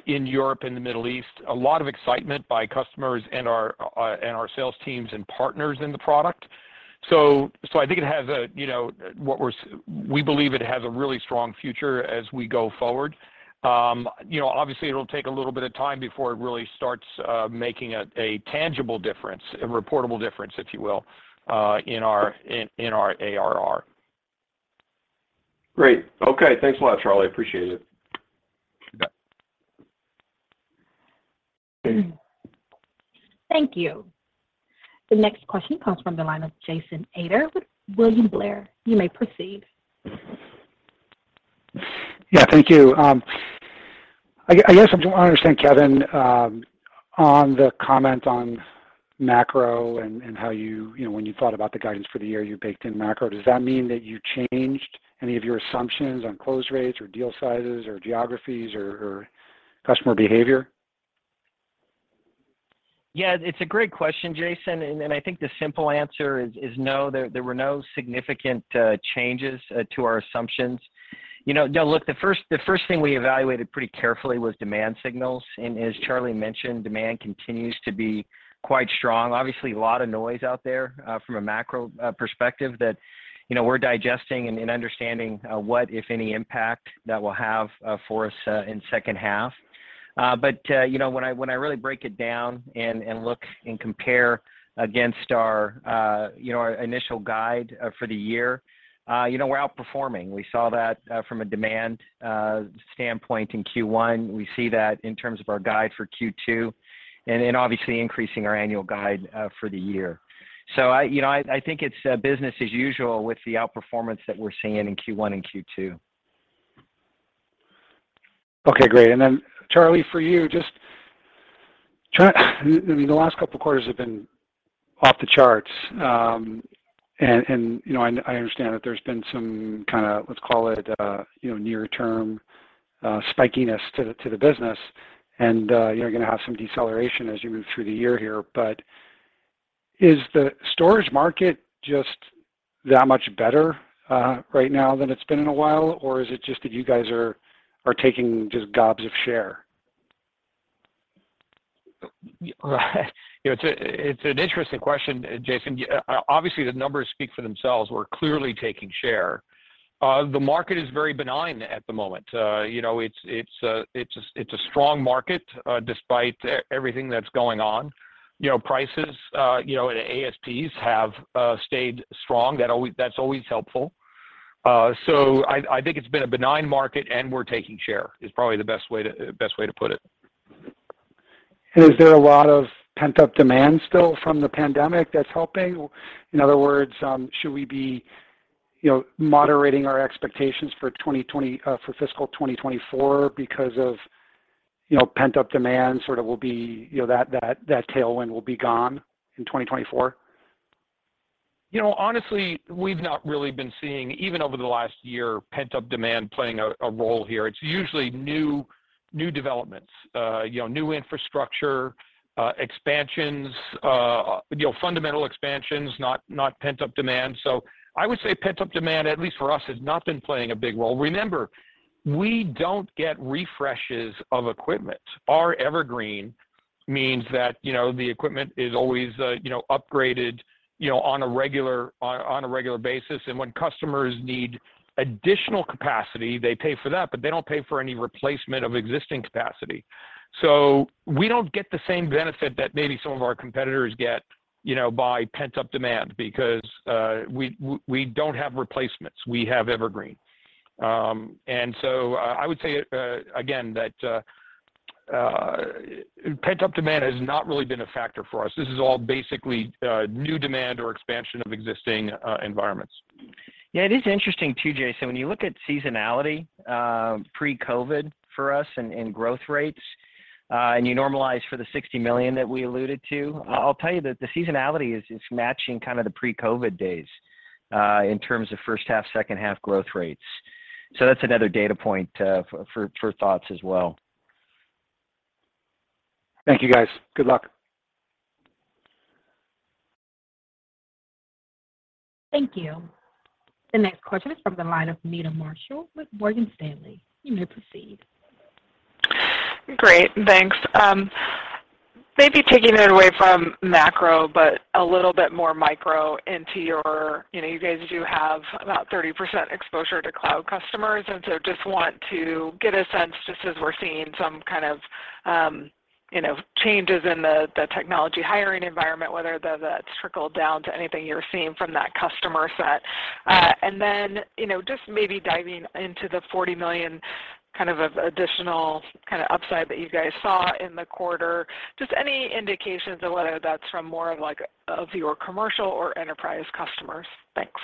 in Europe and the Middle East. A lot of excitement by customers and our sales teams and partners in the product. So I think it has a, you know, We believe it has a really strong future as we go forward. You know, obviously, it'll take a little bit of time before it really starts making a tangible difference, a reportable difference, if you will, in our ARR. Great. Okay. Thanks a lot, Charlie. I appreciate it. Yep. Thank you. The next question comes from the line of Jason Ader with William Blair. You may proceed. Yeah, thank you. I guess I want to understand, Kevan, on the comment on macro and how you know, when you thought about the guidance for the year, you baked in macro. Does that mean that you changed any of your assumptions on close rates or deal sizes or geographies or customer behavior? Yeah, it's a great question, Jason, and I think the simple answer is no. There were no significant changes to our assumptions. You know, now look, the first thing we evaluated pretty carefully was demand signals. As Charlie mentioned, demand continues to be quite strong. Obviously, a lot of noise out there from a macro perspective that, you know, we're digesting and understanding what, if any, impact that will have for us in second half. You know, when I really break it down and look and compare against our, you know, our initial guide for the year, you know, we're outperforming. We saw that from a demand standpoint in Q1. We see that in terms of our guide for Q2 and obviously increasing our annual guide for the year. You know, I think it's business as usual with the outperformance that we're seeing in Q1 and Q2. Okay, great. Then Charlie, for you, I mean, the last couple of quarters have been off the charts, and you know, I understand that there's been some kind of, let's call it a you know near-term spikiness to the business and you're gonna have some deceleration as you move through the year here. But is the storage market just that much better right now than it's been in a while? Or is it just that you guys are taking just gobs of share? You know, it's an interesting question, Jason. Yeah, obviously, the numbers speak for themselves. We're clearly taking share. The market is very benign at the moment. You know, it's a strong market despite everything that's going on. You know, prices and ASPs have stayed strong. That's always helpful. So I think it's been a benign market, and we're taking share is probably the best way to put it. Is there a lot of pent-up demand still from the pandemic that's helping? In other words, should we be, you know, moderating our expectations for fiscal 2024 because of, you know, pent-up demand sort of will be, you know, that tailwind will be gone in 2024? You know, honestly, we've not really been seeing, even over the last year, pent-up demand playing a role here. It's usually new developments, you know, new infrastructure, expansions, you know, fundamental expansions, not pent-up demand. I would say pent-up demand, at least for us, has not been playing a big role. Remember, we don't get refreshes of equipment. Our Evergreen means that, you know, the equipment is always upgraded, you know, on a regular basis. When customers need additional capacity, they pay for that, but they don't pay for any replacement of existing capacity. We don't get the same benefit that maybe some of our competitors get, you know, by pent-up demand because, we don't have replacements. We have Evergreen. I would say again that pent-up demand has not really been a factor for us. This is all basically new demand or expansion of existing environments. Yeah, it is interesting too, Jason, when you look at seasonality, pre-COVID for us and growth rates, and you normalize for the $60 million that we alluded to, I'll tell you that the seasonality is matching kind of the pre-COVID days, in terms of first half, second half growth rates. That's another data point for thoughts as well. Thank you, guys. Good luck. Thank you. The next question is from the line of Meta Marshall with Morgan Stanley. You may proceed. Great. Thanks. Maybe taking it away from macro, but a little bit more micro into your. You know, you guys do have about 30% exposure to cloud customers, and so just want to get a sense, just as we're seeing some kind of, you know, changes in the technology hiring environment, whether that's trickled down to anything you're seeing from that customer set. And then, you know, just maybe diving into the $40 million kind of additional kind of upside that you guys saw in the quarter, just any indications of whether that's from more like your commercial or enterprise customers? Thanks.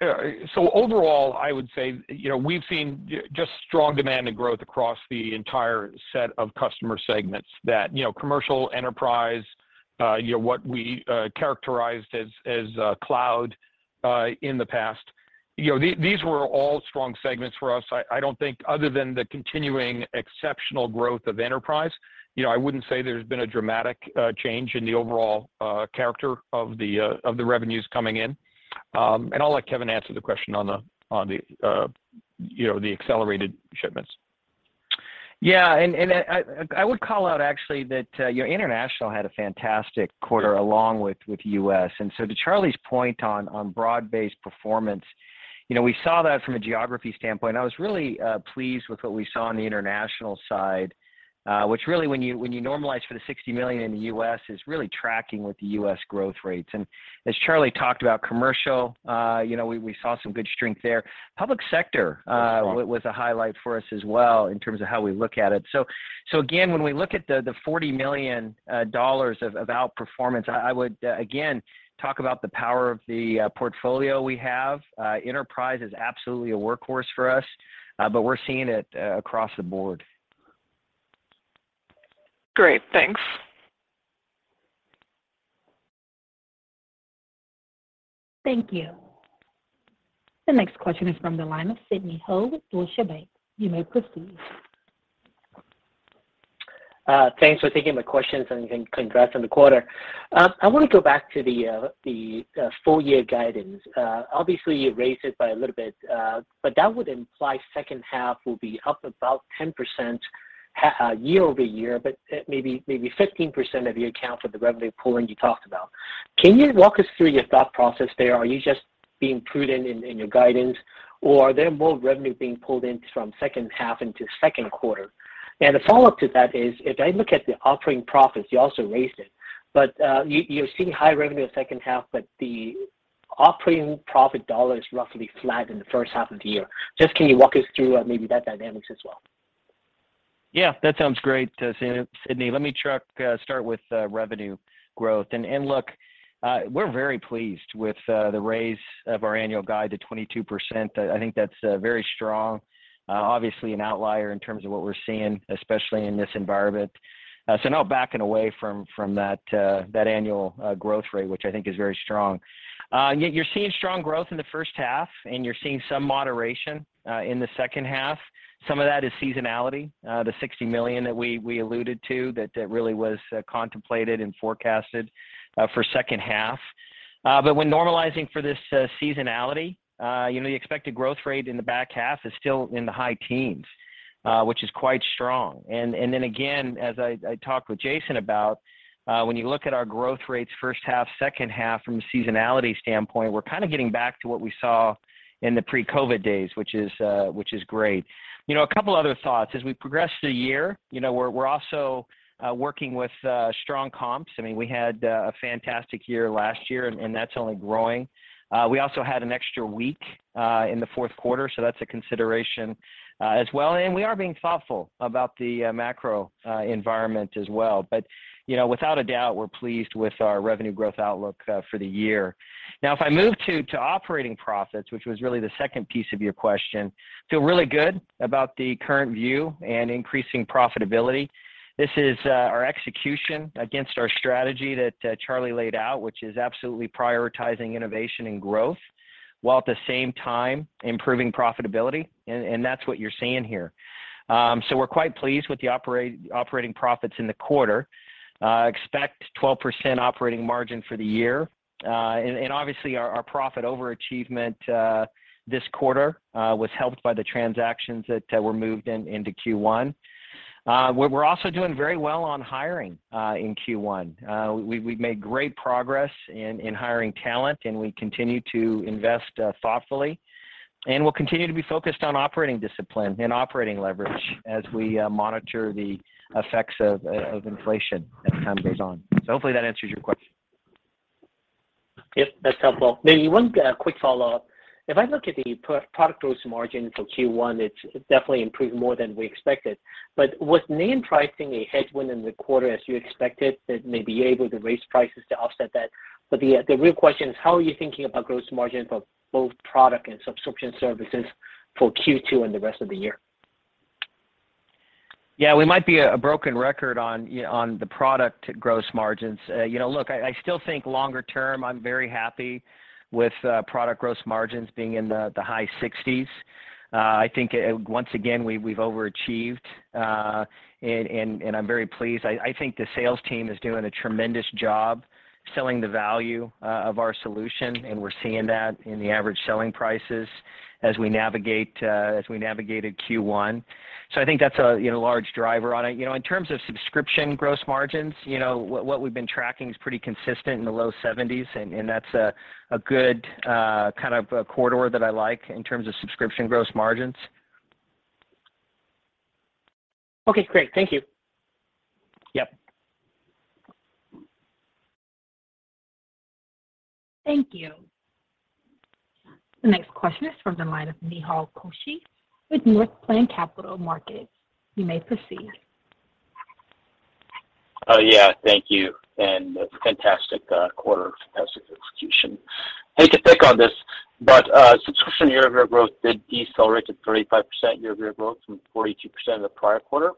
Overall, I would say, you know, we've seen just strong demand and growth across the entire set of customer segments that, you know, commercial, enterprise, you know, what we characterized as cloud in the past. You know, these were all strong segments for us. I don't think other than the continuing exceptional growth of enterprise, you know, I wouldn't say there's been a dramatic change in the overall character of the revenues coming in. I'll let Kevin answer the question on the accelerated shipments. I would call out actually that you know, international had a fantastic quarter along with US. To Charlie's point on broad-based performance, you know, we saw that from a geography standpoint. I was really pleased with what we saw on the international side, which really when you normalize for the $60 million in the U.S., is really tracking with the U.S. growth rates. As Charlie talked about commercial, you know, we saw some good strength there. Public sector was a highlight for us as well in terms of how we look at it. Again, when we look at the $40 million of outperformance, I would again talk about the power of the portfolio we have. Enterprise is absolutely a workhorse for us, but we're seeing it across the board. Great. Thanks. Thank you. The next question is from the line of Sidney Ho with Deutsche Bank. You may proceed. Thanks for taking my questions, and congrats on the quarter. I wanna go back to the full year guidance. Obviously, you raised it by a little bit, but that would imply second half will be up about 10% year-over-year, but maybe 15% to account for the revenue pulling you talked about. Can you walk us through your thought process there? Are you just being prudent in your guidance, or are there more revenue being pulled in from second half into second quarter? The follow-up to that is, if I look at the operating profits, you also raised it. But you're seeing high revenue in second half, but the operating profit dollar is roughly flat in the first half of the year. Just can you walk us through, maybe that dynamics as well? Yeah, that sounds great, Sidney. Let me start with revenue growth. Look, we're very pleased with the raise of our annual guide to 22%. I think that's very strong. Obviously an outlier in terms of what we're seeing, especially in this environment. So no backing away from that annual growth rate, which I think is very strong. Yet you're seeing strong growth in the first half, and you're seeing some moderation in the second half. Some of that is seasonality, the $60 million that we alluded to that really was contemplated and forecasted for second half. When normalizing for this seasonality, you know, the expected growth rate in the back half is still in the high teens, which is quite strong. Then again, as I talked with Jason about, when you look at our growth rates first half, second half from a seasonality standpoint, we're kind of getting back to what we saw in the pre-COVID days, which is great. You know, a couple other thoughts. As we progress through the year, you know, we're also working with strong comps. I mean, we had a fantastic year last year, and that's only growing. We also had an extra week in the fourth quarter, so that's a consideration as well. We are being thoughtful about the macro environment as well. You know, without a doubt, we're pleased with our revenue growth outlook for the year. Now, if I move to operating profits, which was really the second piece of your question, feel really good about the current view and increasing profitability. This is our execution against our strategy that Charlie laid out, which is absolutely prioritizing innovation and growth while at the same time improving profitability, and that's what you're seeing here. We're quite pleased with the operating profits in the quarter. Expect 12% operating margin for the year. And obviously our profit overachievement this quarter was helped by the transactions that were moved into Q1. We're also doing very well on hiring in Q1. We've made great progress in hiring talent, and we continue to invest thoughtfully. We'll continue to be focused on operating discipline and operating leverage as we monitor the effects of inflation as time goes on. Hopefully that answers your question. Yep, that's helpful. Maybe one quick follow-up. If I look at the product gross margin for Q1, it definitely improved more than we expected. Was NAND pricing a headwind in the quarter as you expected, that maybe you're able to raise prices to offset that? The real question is, how are you thinking about gross margin for both product and subscription services for Q2 and the rest of the year? Yeah, we might be a broken record on, you know, the product gross margins. You know, look, I still think longer term, I'm very happy with product gross margins being in the high 60s%. I think once again, we've overachieved. I'm very pleased. I think the sales team is doing a tremendous job selling the value of our solution, and we're seeing that in the average selling prices as we navigated Q1. I think that's a you know large driver on it. You know, in terms of subscription gross margins, you know, what we've been tracking is pretty consistent in the low 70s%, and that's a good kind of a corridor that I like in terms of subscription gross margins. Okay, great. Thank you. Yep. Thank you. The next question is from the line of Nehal Chokshi with Northland Capital Markets. You may proceed. Oh, yeah. Thank you, and fantastic quarter, fantastic execution. Hate to pick on this, but subscription year-over-year growth did decelerate to 35% year-over-year growth from 42% in the prior quarter.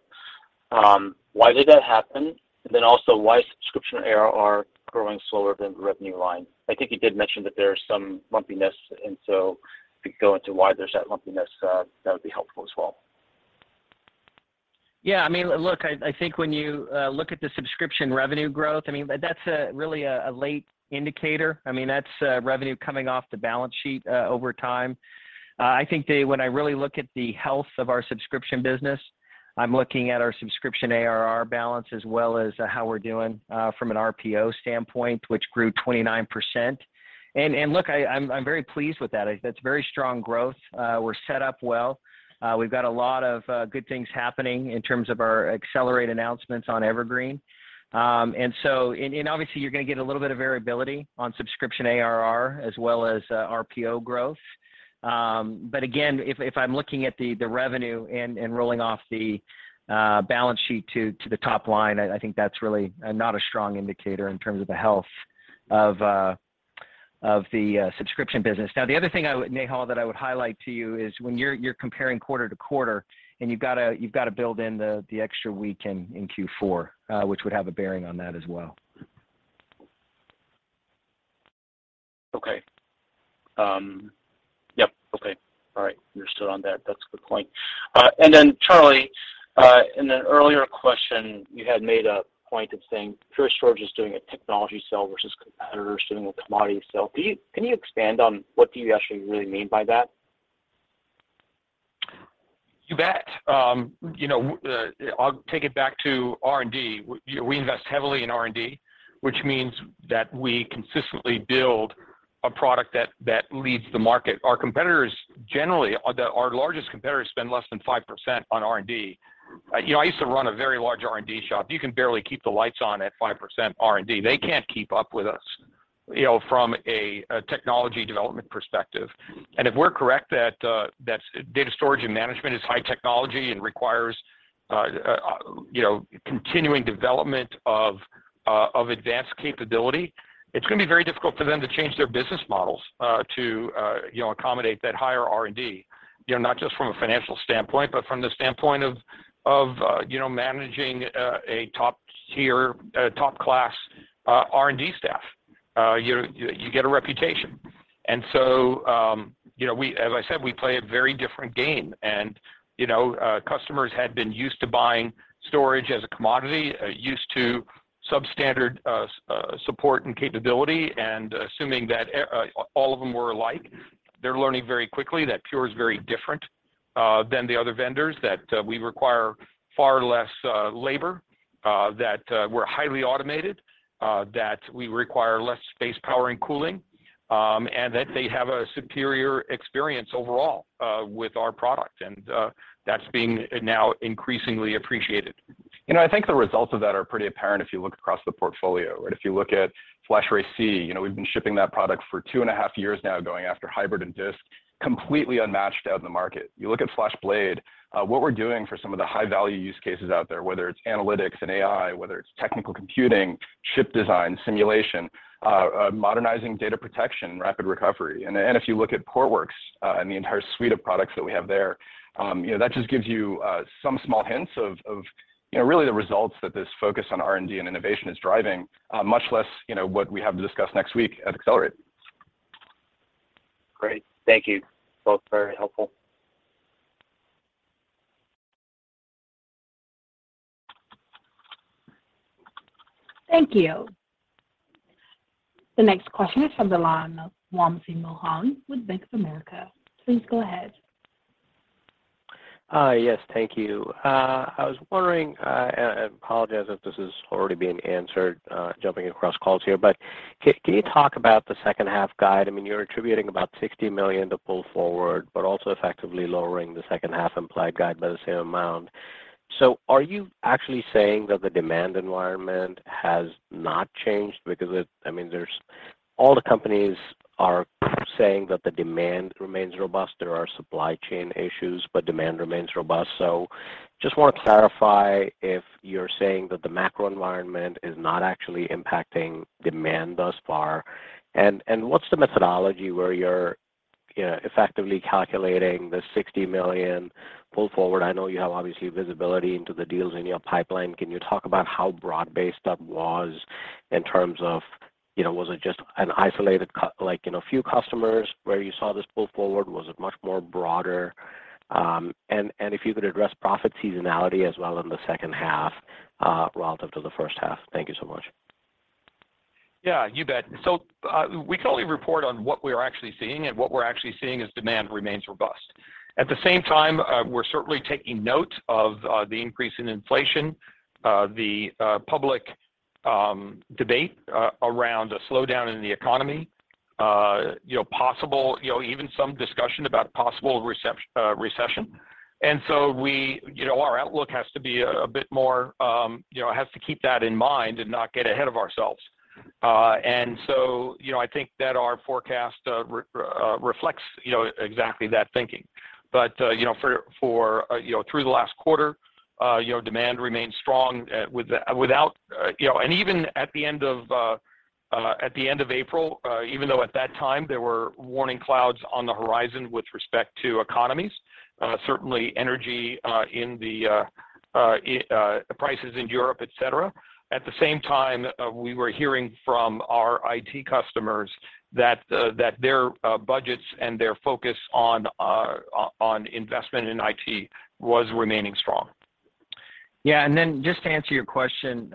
Why did that happen? Why subscription ARR growing slower than the revenue line? I think you did mention that there's some lumpiness, and so if you could go into why there's that lumpiness, that would be helpful as well. Yeah, I mean, look, I think when you look at the subscription revenue growth, I mean, that's a really late indicator. I mean, that's revenue coming off the balance sheet over time. I think when I really look at the health of our subscription business, I'm looking at our subscription ARR balance as well as how we're doing from an RPO standpoint, which grew 29%. Look, I'm very pleased with that. That's very strong growth. We're set up well. We've got a lot of good things happening in terms of our Accelerate announcements on Evergreen. Obviously, you're gonna get a little bit of variability on subscription ARR as well as RPO growth. Again, if I'm looking at the revenue and rolling off the balance sheet to the top line, I think that's really not a strong indicator in terms of the health of the subscription business. Now, the other thing I would, Nehal, that I would highlight to you is when you're comparing quarter to quarter, and you've gotta build in the extra week in Q4, which would have a bearing on that as well. Okay. All right. Understood on that. That's a good point. Charlie, in an earlier question, you had made a point of saying Pure Storage is doing a technology sell versus competitors doing a commodity sell. Can you expand on what you actually really mean by that? You bet. You know, I'll take it back to R&D. We invest heavily in R&D, which means that we consistently build a product that leads the market. Our competitors generally, our largest competitors spend less than 5% on R&D. You know, I used to run a very large R&D shop. You can barely keep the lights on at 5% R&D. They can't keep up with us. You know, from a technology development perspective. If we're correct that data storage and management is high technology and requires you know, continuing development of advanced capability, it's gonna be very difficult for them to change their business models to you know, accommodate that higher R&D. You know, not just from a financial standpoint, but from the standpoint of you know, managing a top-tier, top-class R&D staff. You get a reputation. As I said, we play a very different game and, you know, customers had been used to buying storage as a commodity, used to substandard support and capability and assuming that all of them were alike. They're learning very quickly that Pure is very different than the other vendors, that we require far less labor, that we're highly automated, that we require less space, power and cooling, and that they have a superior experience overall with our product. That's being now increasingly appreciated. You know, I think the results of that are pretty apparent if you look across the portfolio. If you look at FlashArray//C, you know, we've been shipping that product for 2.5 years now, going after hybrid and disk, completely unmatched out in the market. You look at FlashBlade, what we're doing for some of the high value use cases out there, whether it's analytics and AI, whether it's technical computing, chip design, simulation, modernizing data protection, rapid recovery. If you look at Portworx, and the entire suite of products that we have there, you know, that just gives you some small hints of, you know, really the results that this focus on R&D and innovation is driving, much less, you know, what we have to discuss next week at Accelerate. Great. Thank you both. Very helpful. Thank you. The next question is from the line of Wamsi Mohan with Bank of America. Please go ahead. Yes, thank you. I was wondering, and I apologize if this is already being answered, jumping across calls here. Can you talk about the second half guide? I mean, you're attributing about $60 million to pull forward, but also effectively lowering the second half implied guide by the same amount. Are you actually saying that the demand environment has not changed? Because I mean, there's all the companies are saying that the demand remains robust. There are supply chain issues, but demand remains robust. Just want to clarify if you're saying that the macro environment is not actually impacting demand thus far. And what's the methodology where you're, you know, effectively calculating the $60 million pull forward? I know you have obviously visibility into the deals in your pipeline. Can you talk about how broad-based that was in terms of, you know, was it just an isolated like, you know, few customers where you saw this pull forward? Was it much more broader? And if you could address profit seasonality as well in the second half, relative to the first half. Thank you so much. Yeah, you bet. We can only report on what we are actually seeing, and what we're actually seeing is demand remains robust. At the same time, we're certainly taking note of the increase in inflation, the public debate around a slowdown in the economy, you know, possible, you know, even some discussion about possible recession. We, you know, our outlook has to be a bit more, you know, has to keep that in mind and not get ahead of ourselves. You know, I think that our forecast reflects, you know, exactly that thinking. You know, for you know through the last quarter, you know, demand remained strong, without you know, and even at the end of April, even though at that time there were warning clouds on the horizon with respect to economies, certainly energy prices in Europe, et cetera. At the same time, we were hearing from our IT customers that their budgets and their focus on investment in IT was remaining strong. Yeah. Just to answer your question,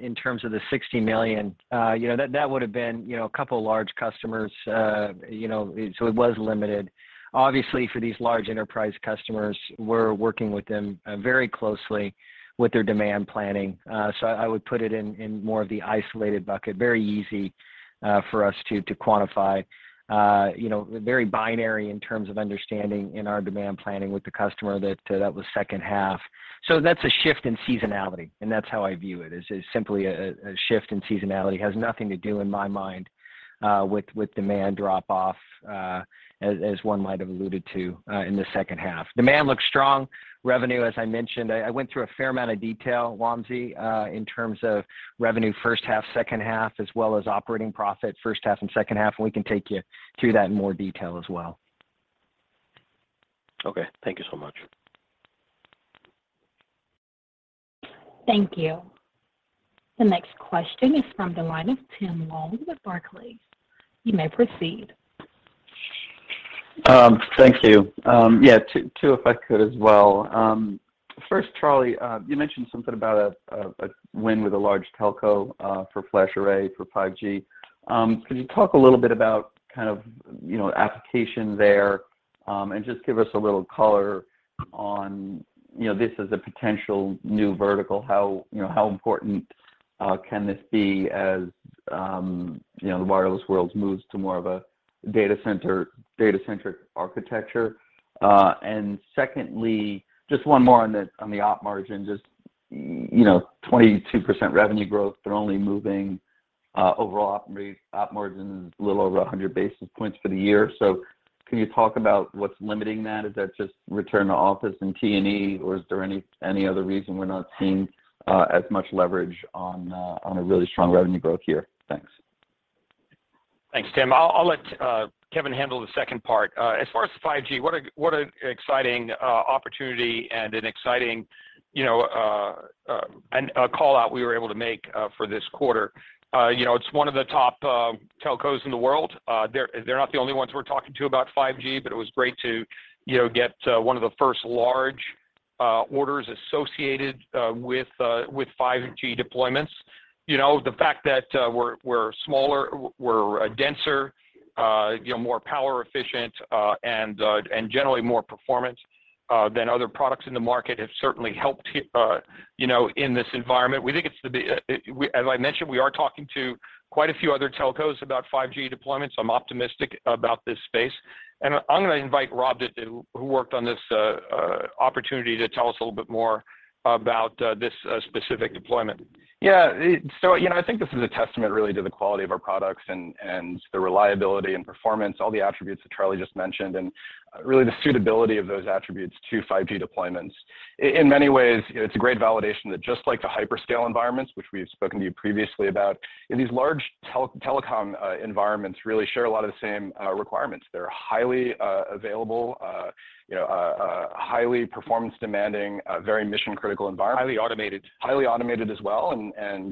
in terms of the $60 million, you know, that would have been, you know, a couple of large customers, you know, so it was limited. Obviously, for these large enterprise customers, we're working with them very closely with their demand planning. I would put it in more of the isolated bucket, very easy for us to quantify. You know, very binary in terms of understanding in our demand planning with the customer that was second half. That's a shift in seasonality, and that's how I view it, is simply a shift in seasonality, has nothing to do in my mind with demand drop off, as one might have alluded to, in the second half. Demand looks strong. Revenue, as I mentioned, I went through a fair amount of detail, Wamsi, in terms of revenue first half, second half, as well as operating profit first half and second half, and we can take you through that in more detail as well. Okay, thank you so much. Thank you. The next question is from the line of Tim Long with Barclays. You may proceed. Thank you. Yeah, T2, if I could as well. First, Charlie, you mentioned something about a win with a large telco for FlashArray for 5G. Could you talk a little bit about kind of, you know, application there, and just give us a little color on, you know, this is a potential new vertical. How, you know, how important can this be as, you know, the wireless world moves to more of a data centric architecture? And secondly, just one more on the op margin. You know, 22% revenue growth, but only moving overall op margins a little over 100 basis points for the year. Can you talk about what's limiting that? Is that just return to office and T&E, or is there any other reason we're not seeing as much leverage on a really strong revenue growth year? Thanks. Thanks, Tim. I'll let Kevan handle the second part. As far as 5G, what an exciting opportunity and an exciting call-out we were able to make for this quarter. You know, it's one of the top telcos in the world. They're not the only ones we're talking to about 5G, but it was great to, you know, get one of the first large orders associated with 5G deployments. You know, the fact that we're smaller, we're denser, you know, more power-efficient and generally more performance than other products in the market have certainly helped, you know, in this environment. As I mentioned, we are talking to quite a few other telcos about 5G deployments. I'm optimistic about this space. I'm gonna invite Rob who worked on this opportunity to tell us a little bit more about this specific deployment. You know, I think this is a testament really to the quality of our products and the reliability and performance, all the attributes that Charlie just mentioned, and really the suitability of those attributes to 5G deployments. In many ways, you know, it's a great validation that just like the hyperscale environments, which we've spoken to you previously about, and these large telecom environments really share a lot of the same requirements. They're highly available, you know, highly performance demanding, a very mission-critical environment. Highly automated. Highly automated as well.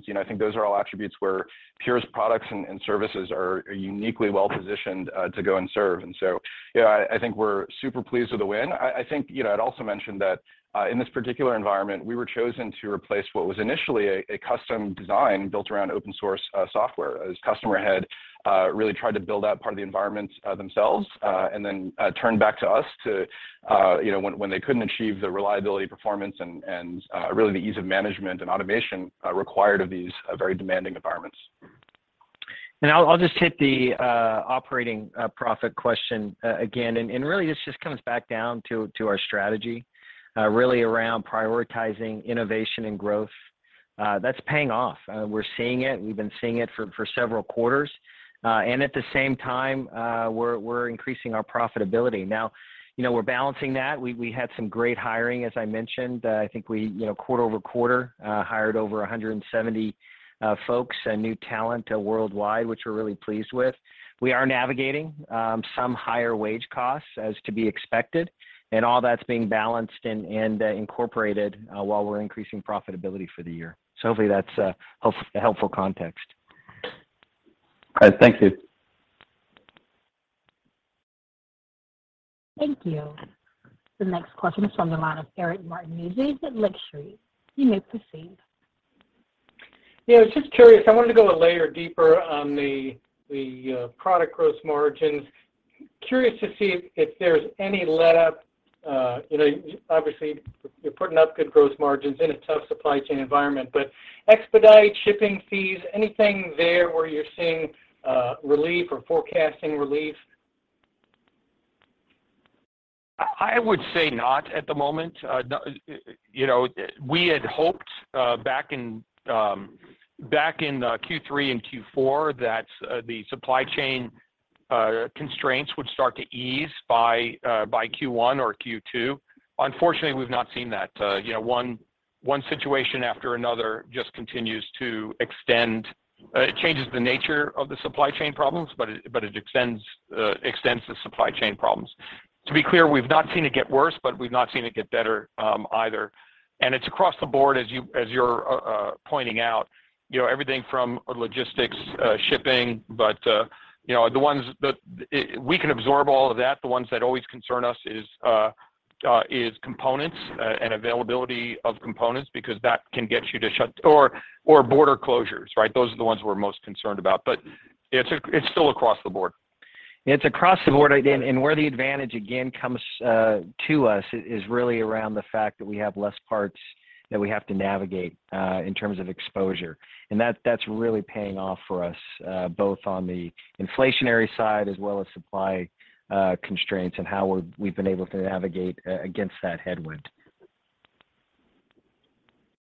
You know, I think those are all attributes where Pure's products and services are uniquely well-positioned to go and serve. You know, I think we're super pleased with the win. I think, you know, I'd also mention that in this particular environment, we were chosen to replace what was initially a custom design built around open source software, as customer had really tried to build out part of the environment themselves and then turned back to us to, you know, when they couldn't achieve the reliability, performance, and really the ease of management and automation required of these very demanding environments. I'll just hit the operating profit question again, and really this just comes back down to our strategy really around prioritizing innovation and growth. That's paying off. We're seeing it, and we've been seeing it for several quarters. And at the same time, we're increasing our profitability. Now, you know, we're balancing that. We had some great hiring, as I mentioned. I think we, you know, quarter over quarter, hired over 170 folks, new talent, worldwide, which we're really pleased with. We are navigating some higher wage costs as to be expected, and all that's being balanced and incorporated while we're increasing profitability for the year. So hopefully that's a helpful context. All right. Thank you. Thank you. The next question is from the line of Eric Martinuzzi with Lake Street. You may proceed. Yeah. I was just curious. I wanted to go a layer deeper on the product gross margins. Curious to see if there's any letup. You know, obviously you're putting up good gross margins in a tough supply chain environment, but expedite shipping fees, anything there where you're seeing relief or forecasting relief? I would say not at the moment. You know, we had hoped back in Q3 and Q4 that the supply chain constraints would start to ease by Q1 or Q2. Unfortunately, we've not seen that. You know, one situation after another just continues to extend. It changes the nature of the supply chain problems, but it extends the supply chain problems. To be clear, we've not seen it get worse, but we've not seen it get better either. It's across the board as you're pointing out, you know, everything from logistics, shipping. The ones that we can absorb all of that. The ones that always concern us is components and availability of components because that can get you, or border closures, right? Those are the ones we're most concerned about. It's still across the board. Where the advantage again comes to us is really around the fact that we have less parts that we have to navigate in terms of exposure. That's really paying off for us both on the inflationary side as well as supply constraints and how we've been able to navigate against that headwind.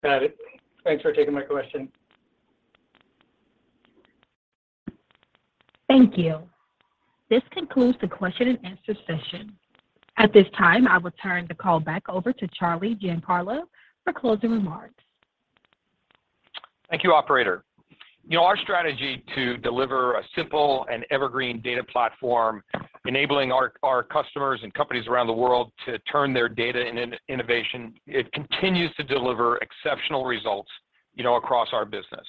Got it. Thanks for taking my question. Thank you. This concludes the question and answer session. At this time, I will turn the call back over to Charlie Giancarlo for closing remarks. Thank you, operator. You know, our strategy to deliver a simple and Evergreen data platform enabling our customers and companies around the world to turn their data and innovation, it continues to deliver exceptional results, you know, across our business.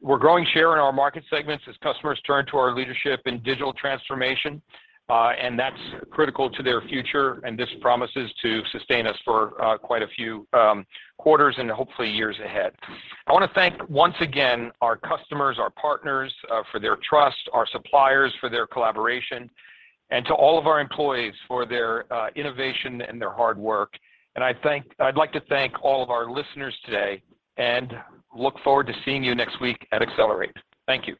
We're growing share in our market segments as customers turn to our leadership in digital transformation, and that's critical to their future, and this promises to sustain us for quite a few quarters and hopefully years ahead. I wanna thank once again our customers, our partners for their trust, our suppliers for their collaboration, and to all of our employees for their innovation and their hard work. I'd like to thank all of our listeners today and look forward to seeing you next week at Accelerate. Thank you.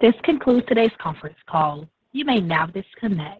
This concludes today's conference call. You may now disconnect.